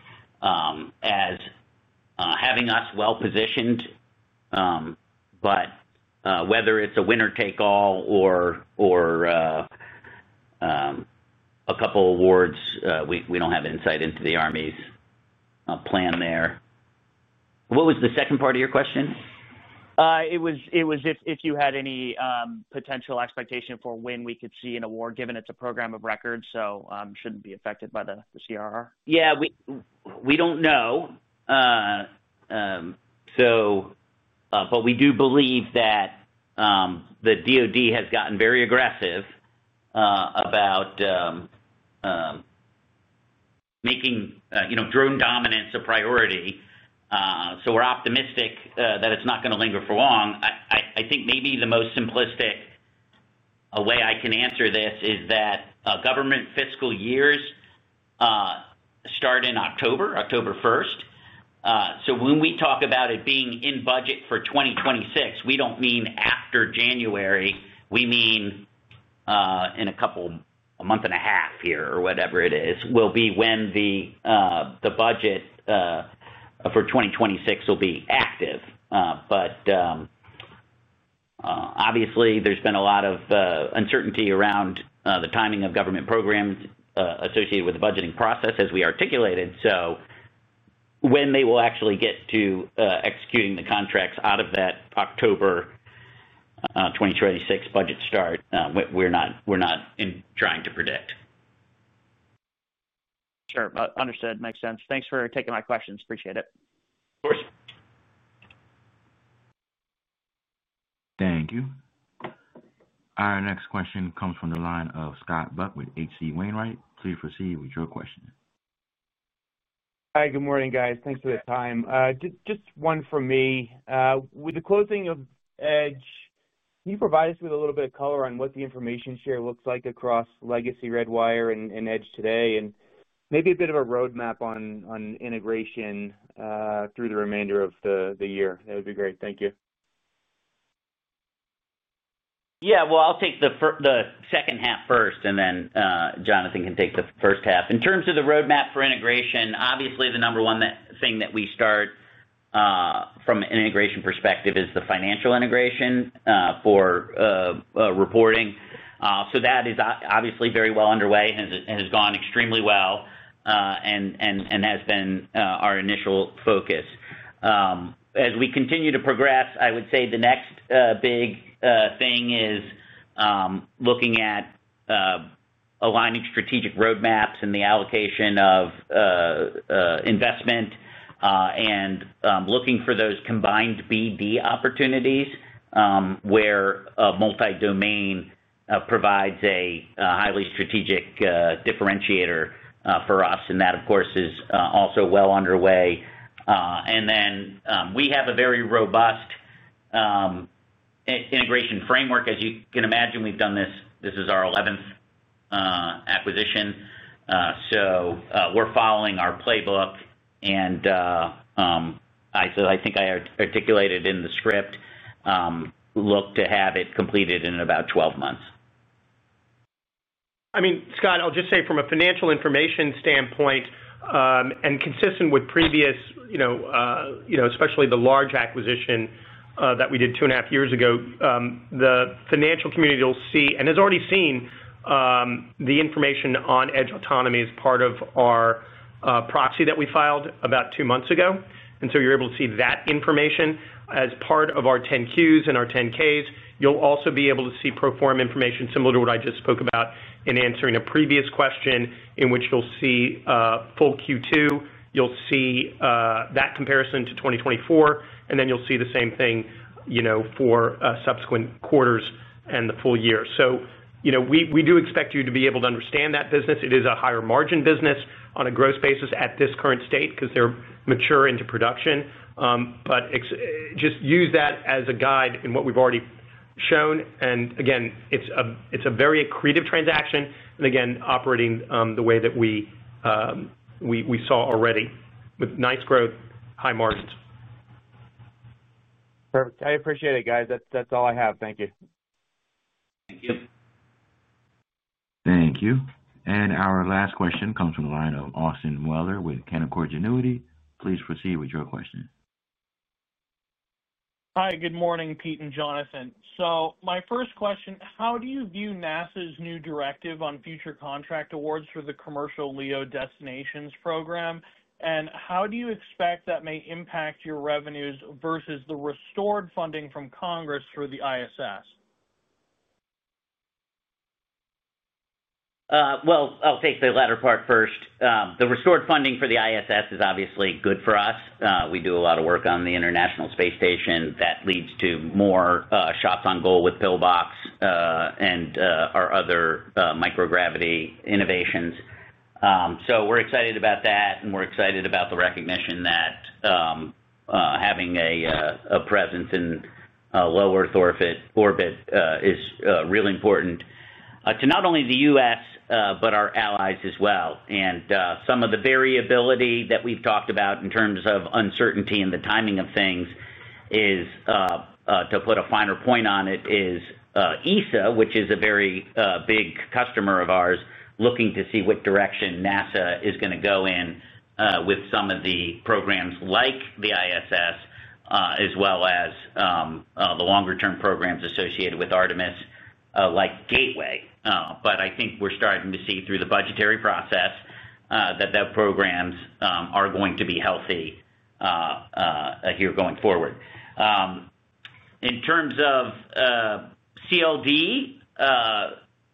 as having us well-positioned. Whether it's a winner take all or a couple awards, we don't have insight into the Army's plan there. What was the second part of your question? It was if you had any potential expectation for when we could see an award, given it's a program of record, so it shouldn't be affected by the CR. Yeah, we don't know. We do believe that the DOD has gotten very aggressive about making, you know, drone dominance a priority. We're optimistic that it's not going to linger for long. I think maybe the most simplistic way I can answer this is that government fiscal years start in October, October 1st. When we talk about it being in budget for 2026, we don't mean after January. We mean in a couple, a month and a half here, or whatever it is, will be when the budget for 2026 will be active. Obviously, there's been a lot of uncertainty around the timing of government programs associated with the budgeting process, as we articulated. When they will actually get to executing the contracts out of that October 2026 budget start, we're not trying to predict. Sure. Understood. Makes sense. Thanks for taking my questions. Appreciate it. Of course. Thank you. Our next question comes from the line of Scott Buck with H.C. Wainwright. Please proceed with your question. Hi, good morning, guys. Thanks for the time. Just one for me. With the closing of Edge, can you provide us with a little bit of color on what the information share looks like across legacy Redwire and Edge today? Maybe a bit of a roadmap on integration through the remainder of the year. That would be great. Thank you. I'll take the second half first, and then Jonathan can take the first half. In terms of the roadmap for integration, obviously, the number one thing that we start from an integration perspective is the financial integration for reporting. That is obviously very well underway and has gone extremely well and has been our initial focus. As we continue to progress, I would say the next big thing is looking at aligning strategic roadmaps and the allocation of investment and looking for those combined BD opportunities where a multi-domain provides a highly strategic differentiator for us. That is also well underway. We have a very robust integration framework. As you can imagine, we've done this. This is our 11th acquisition. We're following our playbook. I think I articulated in the script, look to have it completed in about 12 months. Scott, I'll just say from a financial information standpoint and consistent with previous, especially the large acquisition that we did two and a half years ago, the financial community will see and has already seen the information on Edge Autonomy as part of our proxy that we filed about two months ago. You're able to see that information as part of our 10-Qs and our 10-Ks. You'll also be able to see pro forma information similar to what I just spoke about in answering a previous question in which you'll see full Q2. You'll see that comparison to 2024. You'll see the same thing for subsequent quarters and the full year. We do expect you to be able to understand that business. It is a higher margin business on a gross basis at this current state because they're mature into production. Just use that as a guide in what we've already shown. It's a very creative transaction. Again, operating the way that we saw already with nice growth, high margins. Perfect. I appreciate it, guys. That's all I have. Thank you. Thank you. Our last question comes from the line of Austin Moeller with Canaccord Genuity. Please proceed with your question. Hi, good morning, Pete and Jonathan. My first question, how do you view NASA's new directive on future contract awards for the commercial LEO destinations program? How do you expect that may impact your revenues versus the restored funding from Congress through the ISS? I'll take the latter part first. The restored funding for the ISS is obviously good for us. We do a lot of work on the International Space Station that leads to more shots on goal with PIL-BOX and our other microgravity innovations. We're excited about that, and we're excited about the recognition that having a presence in low Earth orbit is really important to not only the U.S., but our allies as well. Some of the variability that we've talked about in terms of uncertainty and the timing of things is, to put a finer point on it, ESA, which is a very big customer of ours, looking to see what direction NASA is going to go in with some of the programs like the ISS, as well as the longer-term programs associated with Artemis like Gateway. I think we're starting to see through the budgetary process that the programs are going to be healthy here going forward. In terms of CLD,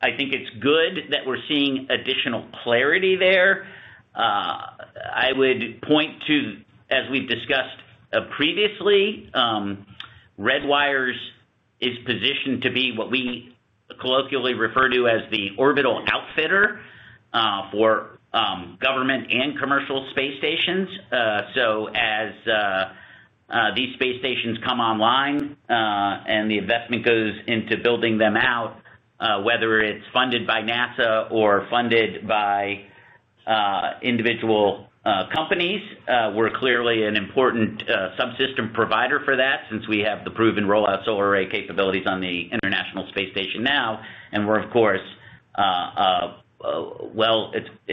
I think it's good that we're seeing additional clarity there. I would point to, as we've discussed previously, Redwire's position to be what we colloquially refer to as the orbital outfitter for government and commercial space stations. As these space stations come online and the investment goes into building them out, whether it's funded by NASA or funded by individual companies, we're clearly an important subsystem provider for that since proven Roll-Out Solar Array capabilities on the International Space Station now.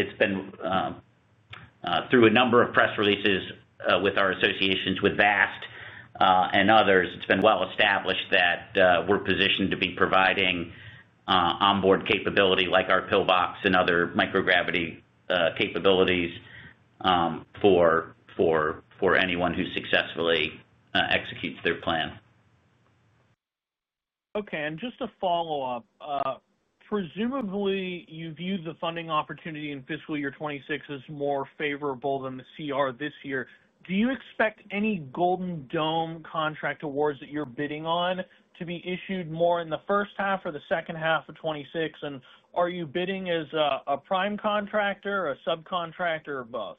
It's been through a number of press releases with our associations with Vast and others, it's been well established that we're positioned to be providing onboard capability like our PIL-BOX and other microgravity capabilities for anyone who successfully executes their plan. Okay. Just a follow-up. Presumably, you viewed the funding opportunity in fiscal year 2026 as more favorable than the CR this year. Do you expect any Golden Dome contract awards that you're bidding on to be issued more in the first half or the second half of 2026? Are you bidding as a prime contractor, a subcontractor, or both?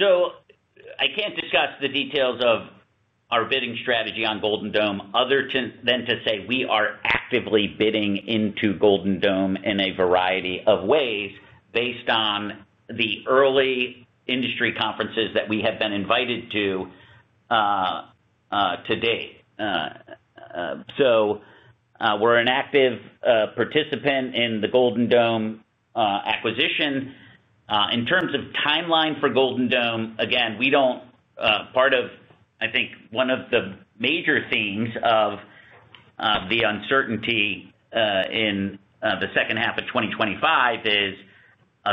I can't discuss the details of our bidding strategy on Golden Dome other than to say we are actively bidding into Golden Dome in a variety of ways based on the early industry conferences that we have been invited to to date. We're an active participant in the Golden Dome acquisition. In terms of timeline for Golden Dome, again, we don't, part of, I think, one of the major themes of the uncertainty in the second half of 2025 is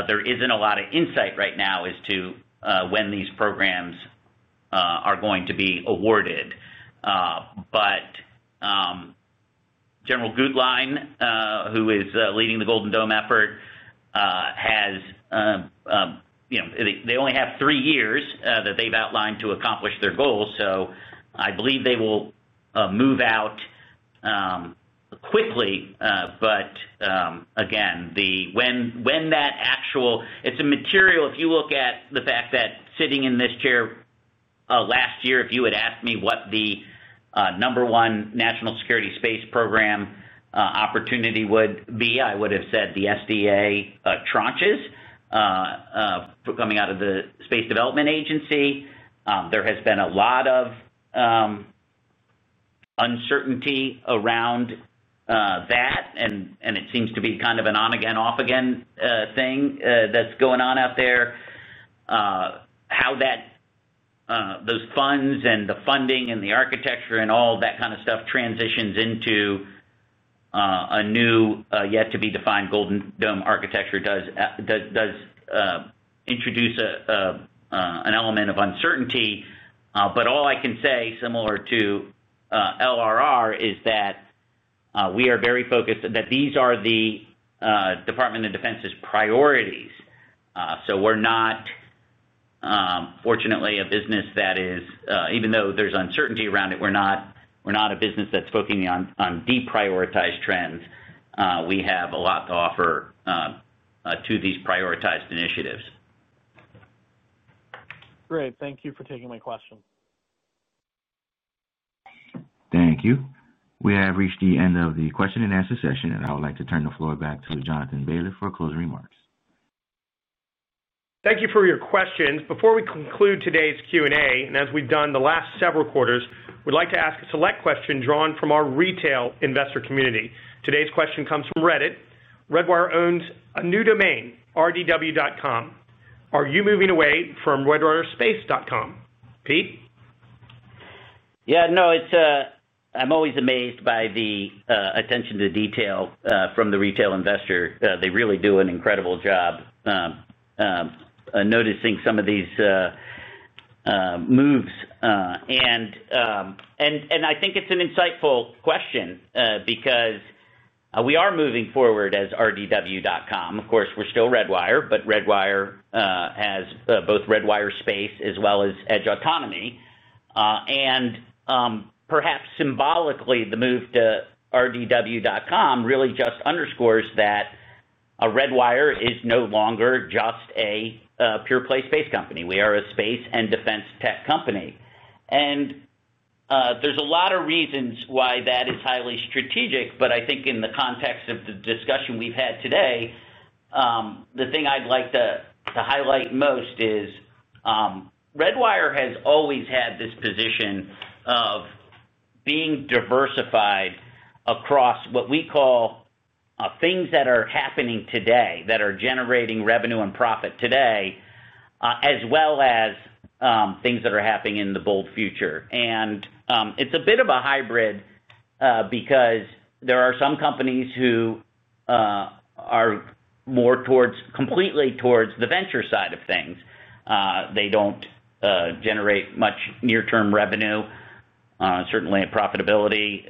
there isn't a lot of insight right now as to when these programs are going to be awarded. General Goodline, who is leading the Golden Dome effort, has, you know, they only have three years that they've outlined to accomplish their goals. I believe they will move out quickly. Again, when that actual, it's a material, if you look at the fact that sitting in this chair last year, if you had asked me what the number one national security space program opportunity would be, I would have said the SDA tranches coming out of the Space Development Agency. There has been a lot of uncertainty around that, and it seems to be kind of an on-again, off-again thing that's going on out there. How those funds and the funding and the architecture and all of that kind of stuff transitions into a new, yet-to-be-defined Golden Dome architecture does introduce an element of uncertainty. All I can say, similar to LRR, is that we are very focused that these are the Department of Defense's priorities. We're not, fortunately, a business that is, even though there's uncertainty around it, we're not a business that's focusing on deprioritized trends. We have a lot to offer to these prioritized initiatives. Great. Thank you for taking my question. Thank you. We have reached the end of the question and answer session, and I would like to turn the floor back to Jonathan Baliff for closing remarks. Thank you for your questions. Before we conclude today's Q&A, and as we've done the last several quarters, we'd like to ask a select question drawn from our retail investor community. Today's question comes from Reddit. Redwire owns a new domain, rdw.com. Are you moving away from redwirespace.com? Yeah, no, I'm always amazed by the attention to detail from the retail investor. They really do an incredible job noticing some of these moves, and I think it's an insightful question because we are moving forward as RDW.com. Of course, we're still Redwire, but Redwire has both Redwire Space as well as Edge Autonomy. Perhaps symbolically, the move to rdw.com really just underscores that Redwire is no longer just a pure-play space company. We are a space and defense tech company. There's a lot of reasons why that is highly strategic, but I think in the context of the discussion we've had today, the thing I'd like to highlight most is Redwire has always had this position of being diversified across what we call things that are happening today that are generating revenue and profit today, as well as things that are happening in the bold future. It's a bit of a hybrid because there are some companies who are more completely towards the venture side of things. They don't generate much near-term revenue. Certainly, profitability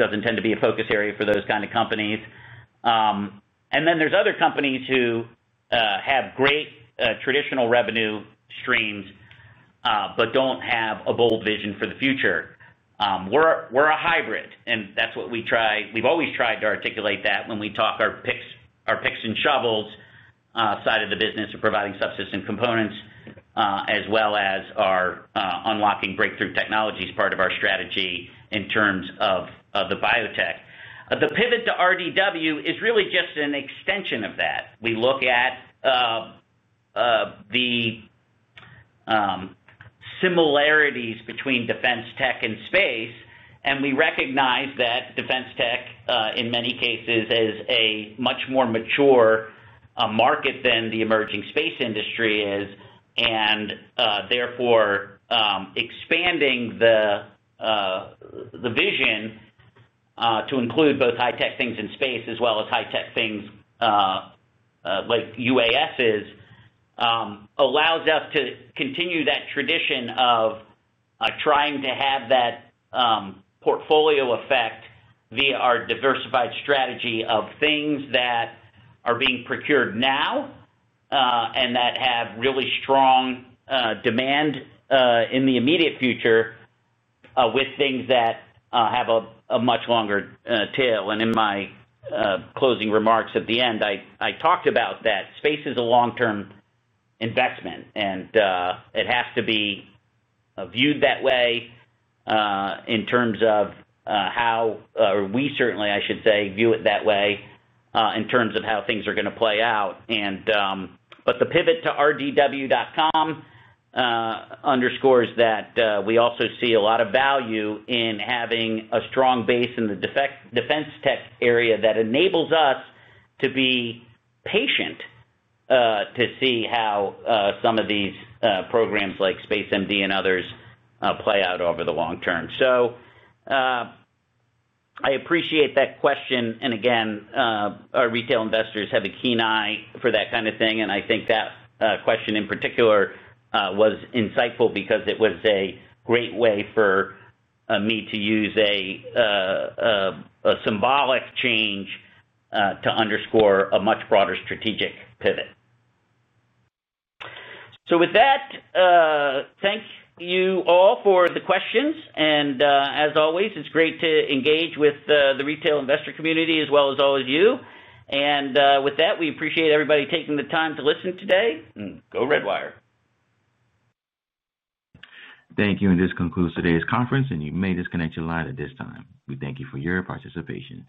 doesn't tend to be a focus area for those kind of companies. Then there's other companies who have great traditional revenue streams but don't have a bold vision for the future. We're a hybrid, and that's what we try, we've always tried to articulate that when we talk our picks, our picks and shovels side of the business of providing subsystem components, as well as our unlocking breakthrough technologies part of our strategy in terms of the biotech. The pivot to RDW is really just an extension of that. We look at the similarities between defense tech and space, and we recognize that defense tech, in many cases, is a much more mature market than the emerging space industry is, and therefore, expanding the vision to include both high-tech things in space as well as high-tech things like UAS, allows us to continue that tradition of trying to have that portfolio effect via our diversified strategy of things that are being procured now and that have really strong demand in the immediate future, with things that have a much longer tail. In my closing remarks at the end, I talked about that space is a long-term investment, and it has to be viewed that way in terms of how, or we certainly, I should say, view it that way in terms of how things are going to play out. The pivot to RDW.com underscores that we also see a lot of value in having a strong base in the defense tech area that enables us to be patient, to see how some of these programs like SpaceMD and others play out over the long term. I appreciate that question. Our retail investors have a keen eye for that kind of thing. I think that question in particular was insightful because it was a great way for me to use a symbolic change to underscore a much broader strategic pivot. With that, thank you all for the questions. As always, it's great to engage with the retail investor community as well as always you. With that, we appreciate everybody taking the time to listen today. Go Redwire. Thank you. This concludes today's conference, and you may disconnect your line at this time. We thank you for your participation.